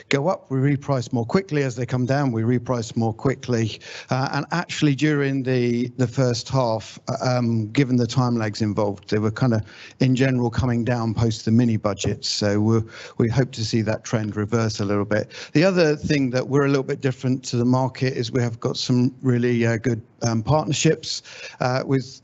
go up, we reprice more quickly. As they come down, we reprice more quickly. Actually, during the H1, given the time lags involved, they were kind of, in general, coming down post the mini budget. We're- we hope to see that trend reverse a little bit. The other thing that we're a little bit different to the market is we have got some really good partnerships with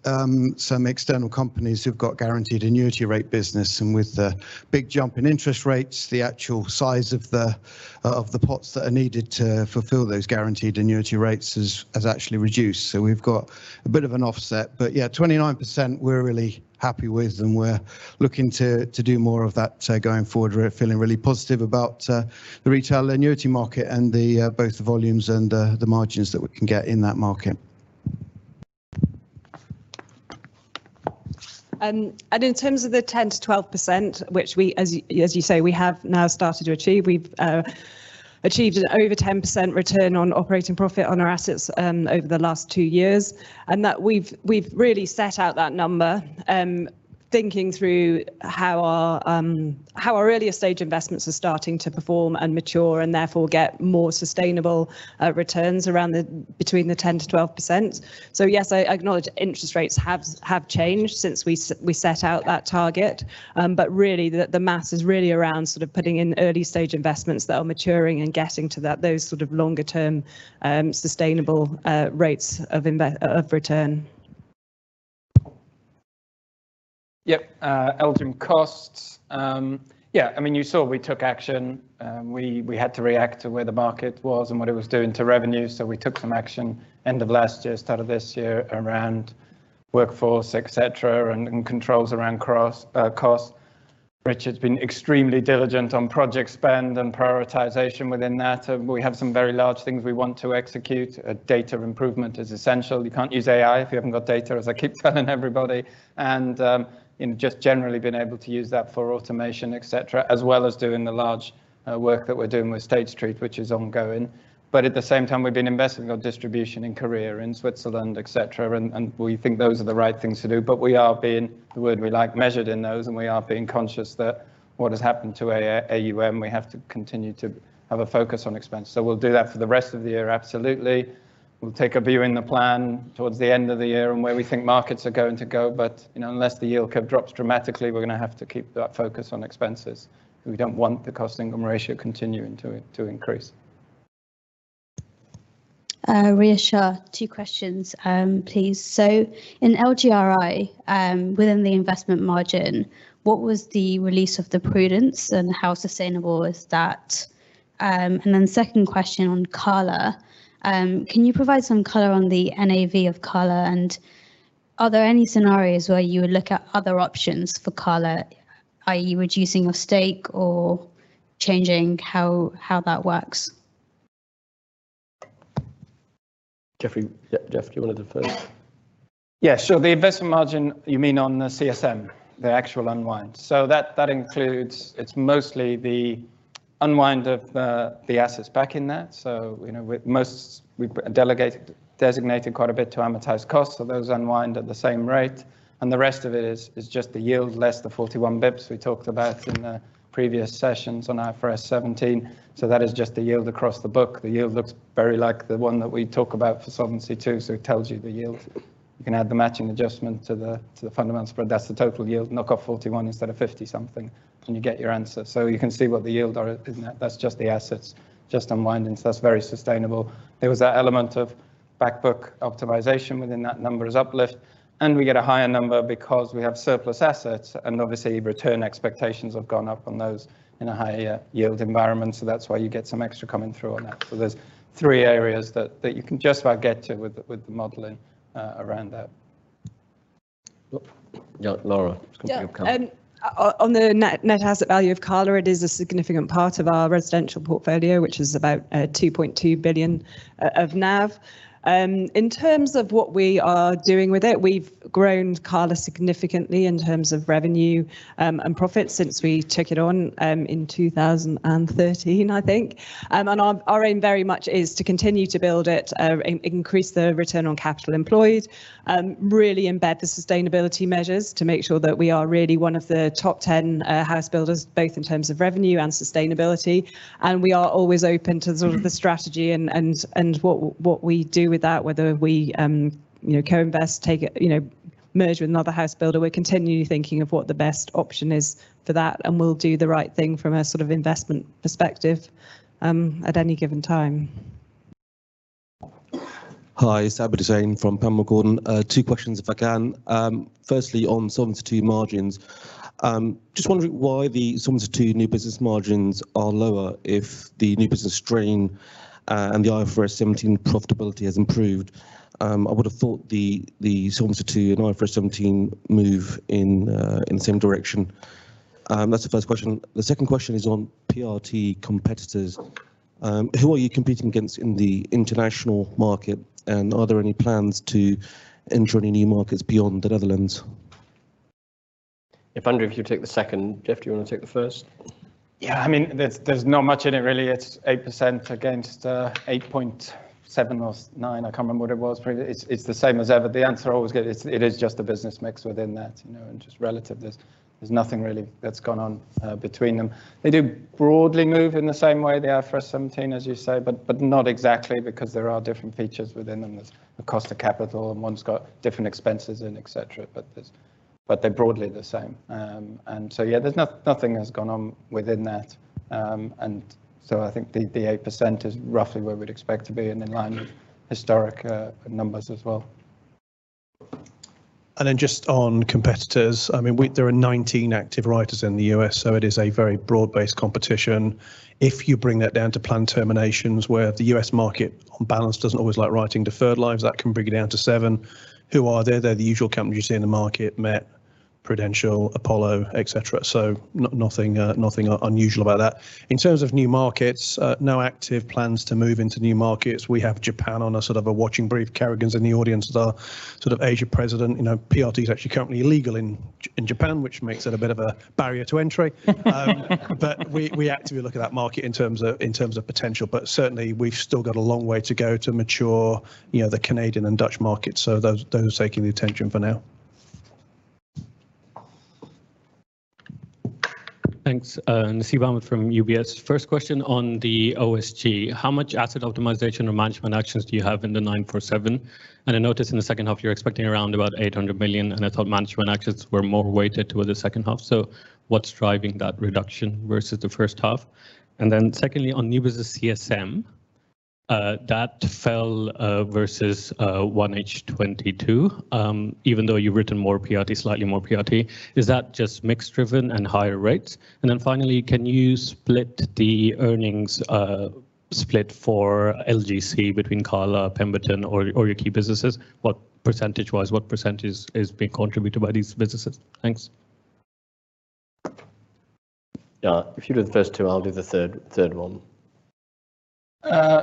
some external companies who've got guaranteed annuity rate business. With the big jump in interest rates, the actual size of the of the pots that are needed to fulfill those guaranteed annuity rates has, has actually reduced. We've got a bit of an offset. Yeah, 29%, we're really happy with, and we're looking to, to do more of that going forward. We're feeling really positive about the retail annuity market and the both the volumes and the margins that we can get in that market. ... in terms of the 10 to 12%, which we, as you say, we have now started to achieve. We've achieved an over 10% return on operating profit on our assets over the last 2 years, and that we've, we've really set out that number thinking through how our earlier stage investments are starting to perform and mature and therefore get more sustainable returns between the 10 to 12%. Yes, I acknowledge interest rates have changed since we set out that target. Really, the math is really around sort of putting in early-stage investments that are maturing and getting to those sort of longer term, sustainable rates of return. Yep, LGIM costs. Yeah, I mean, you saw we took action. We, we had to react to where the market was and what it was doing to revenue, so we took some action end of last year, start of this year, around workforce, et cetera, and controls around cost. Richard's been extremely diligent on project spend and prioritization within that. We have some very large things we want to execute. Data improvement is essential. You can't use AI if you haven't got data, as I keep telling everybody. Just generally being able to use that for automation, et cetera, as well as doing the large work that we're doing with State Street, which is ongoing. At the same time, we've been investing on distribution in Korea and Switzerland, et cetera, and we think those are the right things to do. We are being, the word we like, measured in those, and we are being conscious that what has happened to AUM, we have to continue to have a focus on expense. We'll do that for the rest of the year, absolutely. We'll take a view in the plan towards the end of the year and where we think markets are going to go, but, you know, unless the yield curve drops dramatically, we're gonna have to keep that focus on expenses. We don't want the cost income ratio continuing to increase. Reasha, 2 questions, please. In LGRI, within the investment margin, what was the release of the prudence, and how sustainable is that? Second question on Cala, can you provide some color on the NAV of Cala, and are there any scenarios where you would look at other options for Cala, i.e., reducing your stake or changing how that works? Jeffrey. Yeah, Jeff, do you wanna go first? Yeah, sure. The investment margin, you mean on the CSM, the actual unwind. That, that includes. It's mostly the unwind of the assets back in that. You know, with most, we've designated quite a bit to amortized costs, so those unwind at the same rate, and the rest of it is just the yield less the 41 bips we talked about in the previous sessions on IFRS 17. That is just the yield across the book. The yield looks very like the one that we talk about for Solvency II, so it tells you the yield. You can add the matching adjustment to the fundamentals, but that's the total yield. Knock off 41 instead of 50 something, and you get your answer. You can see what the yield are in that. That's just the assets, just unwinding, so that's very sustainable. There was that element of back book optimization within that numbers uplift, and we get a higher number because we have surplus assets, and obviously, return expectations have gone up on those in a higher yield environment, so that's why you get some extra coming through on that. There's three areas that, that you can just about get to with the, with the modeling around that. Yep. Yeah, Laura, you can- Yeah, on the net, net asset value of Cala, it is a significant part of our residential portfolio, which is about 2.2 billion of NAV. In terms of what we are doing with it, we've grown Cala significantly in terms of revenue, and profit since we took it on, in 2013, I think. Our aim very much is to continue to build it, increase the return on capital employed, really embed the sustainability measures to make sure that we are really one of the top 10 house builders, both in terms of revenue and sustainability, and we are always open to sort of the strategy and, and, what we do with that, whether we, you know, co-invest, take it... You know, merge with another house builder. We're continually thinking of what the best option is for that, and we'll do the right thing from a sort of investment perspective, at any given time. Hi, Sabir Desai from Panmure Gordon. Two questions, if I can. Firstly, on Solvency II margins, just wondering why the Solvency II new business margins are lower if the new business strain, and the IFRS 17 profitability has improved. I would have thought the, the Solvency II and IFRS 17 move in, in the same direction. That's the first question. The second question is on PRT competitors. Who are you competing against in the international market, and are there any plans to enter any new markets beyond the Netherlands? If Andrew, could you take the second? Jeff, do you want to take the first? Yeah, I mean, there's, there's not much in it, really. It's 8% against, 8.7 or 9. I can't remember what it was. Pretty. It's, it's the same as ever. The answer I always get, it's, it is just the business mix within that, you know, and just relative. There's, there's nothing really that's gone on between them. They do broadly move in the same way, the IFRS 17, as you say, but not exactly, because there are different features within them. There's the cost of capital, and one's got different expenses and et cetera. There's. They're broadly the same. Yeah, nothing has gone on within that. I think the, the 8% is roughly where we'd expect to be and in line with historic numbers as well. Just on competitors, I mean, there are 19 active writers in the US, so it is a very broad-based competition. If you bring that down to planned terminations, where the US market, on balance, doesn't always like writing deferred lives, that can bring it down to 7. Who are they? They're the usual companies you see in the market, MetLife, Prudential, Apollo, et cetera. Nothing, nothing unusual about that. In terms of new markets, no active plans to move into new markets. We have Japan on a sort of a watching brief. Kerrigan's in the audience is our sort of Asia president. You know, PRT is actually currently illegal in Japan, which makes it a bit of a barrier to entry. But we actively look at that market in terms of, in terms of potential. Certainly, we've still got a long way to go to mature, you know, the Canadian and Dutch markets, so those, those are taking the attention for now. Thanks. Nasi Bamit from UBS. First question on the OSG. How much asset optimization or management actions do you have in the 9.7? I notice in the H2, you're expecting around about 800 million, and I thought management actions were more weighted toward the H2. So, what's driving that reduction versus the H1? Secondly, on new business CSM, that fell versus 1H 2022, even though you've written more PRT, slightly more PRT. Is that just mix driven and higher rates? Finally, can you split the earnings split for Legal & General Capital between Cala Group, Pemberton Asset Management, or your key businesses? What percentage wise, what percentage is being contributed by these businesses? Thanks. Yeah, if you do the first two, I'll do the third one.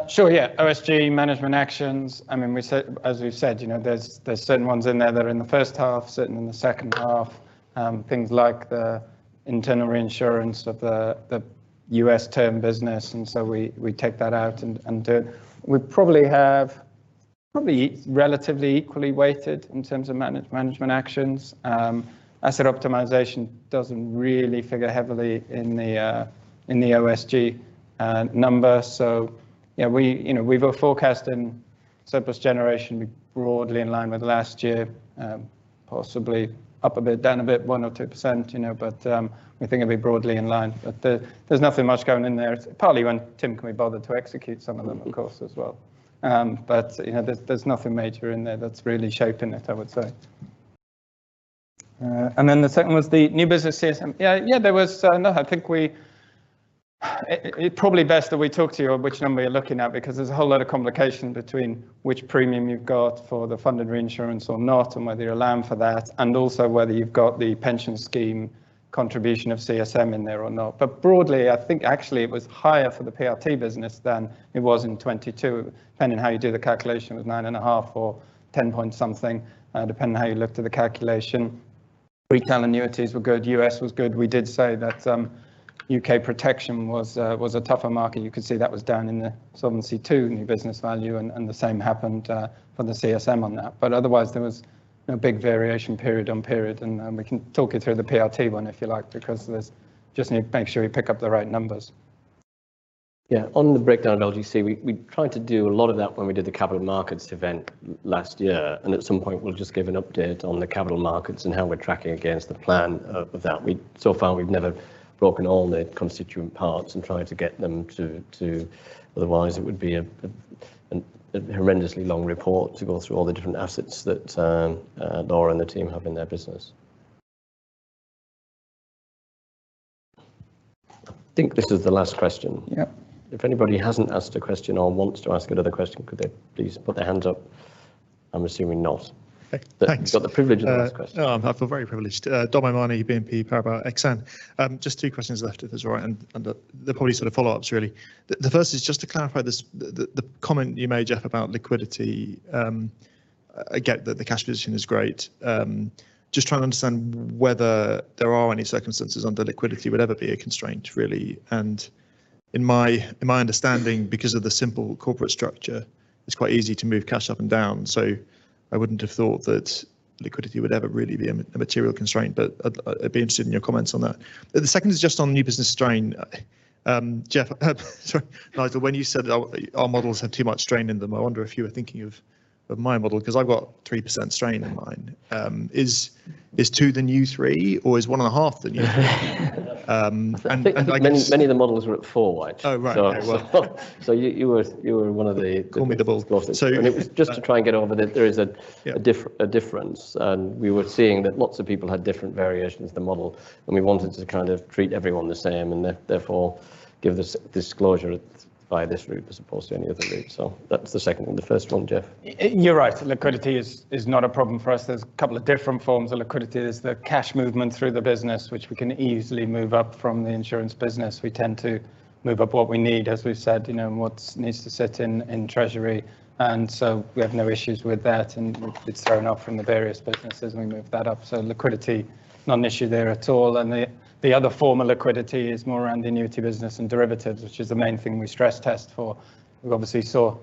Sure, yeah. OSG management actions, I mean, we said... As we've said, you know, there's, there's certain ones in there that are in the H1, certain in the H2. Things like the internal reinsurance of the, the U.S. term business, and so we, we take that out and do it. We probably have probably relatively equally weighted in terms of management actions. Asset optimization doesn't really figure heavily in the OSG number. Yeah, we, you know, we were forecasting surplus generation broadly in line with last year. Possibly up a bit, down a bit, 1% or 2%, you know, but we think it'll be broadly in line. There's nothing much going in there. Partly when Tim can be bothered to execute some of them, of course, as well. You know, there's, there's nothing major in there that's really shaping it, I would say. Then the second was the new business CSM. Yeah, yeah, there was. No, I think it probably best that we talk to you on which number you're looking at, because there's a whole lot of complication between which premium you've got for the funded reinsurance or not, and whether you're allowing for that, and also whether you've got the pension scheme contribution of CSM in there or not. Broadly, I think actually it was higher for the PRT business than it was in 2022, depending on how you do the calculation, it was 9.5 or 10.something, depending on how you looked at the calculation. Retail annuities were good, US was good. We did say that, UK protection was, was a tougher market. You could see that was down in the Solvency II, new business value. The same happened, for the CSM on that. But otherwise, there was no big variation period on period. We can talk you through the PRT one if you like, because there's. Just need to make sure we pick up the right numbers. Yeah, on the breakdown of LGC, we, we tried to do a lot of that when we did the capital markets event last year, and at some point we'll just give an update on the capital markets and how we're tracking against the plan of that. So far, we've never broken all the constituent parts and tried to get them. Otherwise, it would be a, an, a horrendously long report to go through all the different assets that Laura and the team have in their business. I think this is the last question. Yep. If anybody hasn't asked a question or wants to ask another question, could they please put their hands up? I'm assuming not. Thanks. You've got the privilege of the last question. I feel very privileged. Dom Imani, BNP Paribas Exane. Just two questions left, if that's all right, and they're probably sort of follow-ups, really. The first is just to clarify this, the comment you made, Jeff, about liquidity. I get that the cash position is great. Just trying to understand whether there are any circumstances under liquidity would ever be a constraint, really. In my, in my understanding, because of the simple corporate structure, it's quite easy to move cash up and down. I wouldn't have thought that liquidity would ever really be a material constraint, but I'd be interested in your comments on that. The second is just on the new business strain. Jeff, sorry, Nigel, when you said our, our models have too much strain in them, I wonder if you were thinking of, of my model, 'cause I've got 3% strain in mine. Is, is 2 the new 3, or is 1.5 the new 3? And, and I guess- Many, many of the models were at four, actually. Oh, right. so you were one of the- Call me the bold. Just to try and get over that, there is. Yeah a difference, and we were seeing that lots of people had different variations of the model, and we wanted to kind of treat everyone the same, and therefore, give this disclosure by this route as opposed to any other route. That's the second one. The first one, Jeff? You're right, liquidity is not a problem for us. There's a couple of different forms of liquidity. There's the cash movement through the business, which we can easily move up from the insurance business. We tend to move up what we need, as we've said, you know, and what needs to sit in treasury. So we have no issues with that, and it's thrown off from the various businesses, and we move that up. So liquidity, not an issue there at all. The other form of liquidity is more around the annuity business and derivatives, which is the main thing we stress test for. We obviously saw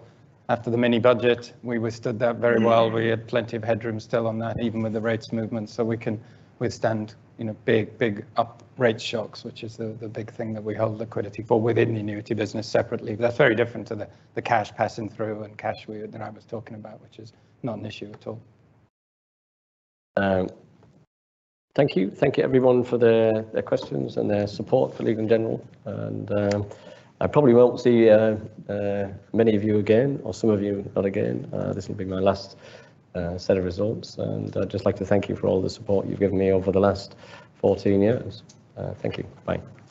after the mini budget, we withstood that very well. We had plenty of headroom still on that, even with the rates movement. We can withstand, you know, big, big up rate shocks, which is the big thing that we hold liquidity for within the annuity business separately. That's very different to the cash passing through and cash we, that I was talking about, which is not an issue at all. Thank you. Thank you everyone for their, their questions and their support for Legal & General. I probably won't see many of you again, or some of you not again. This will be my last set of results, and I'd just like to thank you for all the support you've given me over the last 14 years. Thank you. Bye.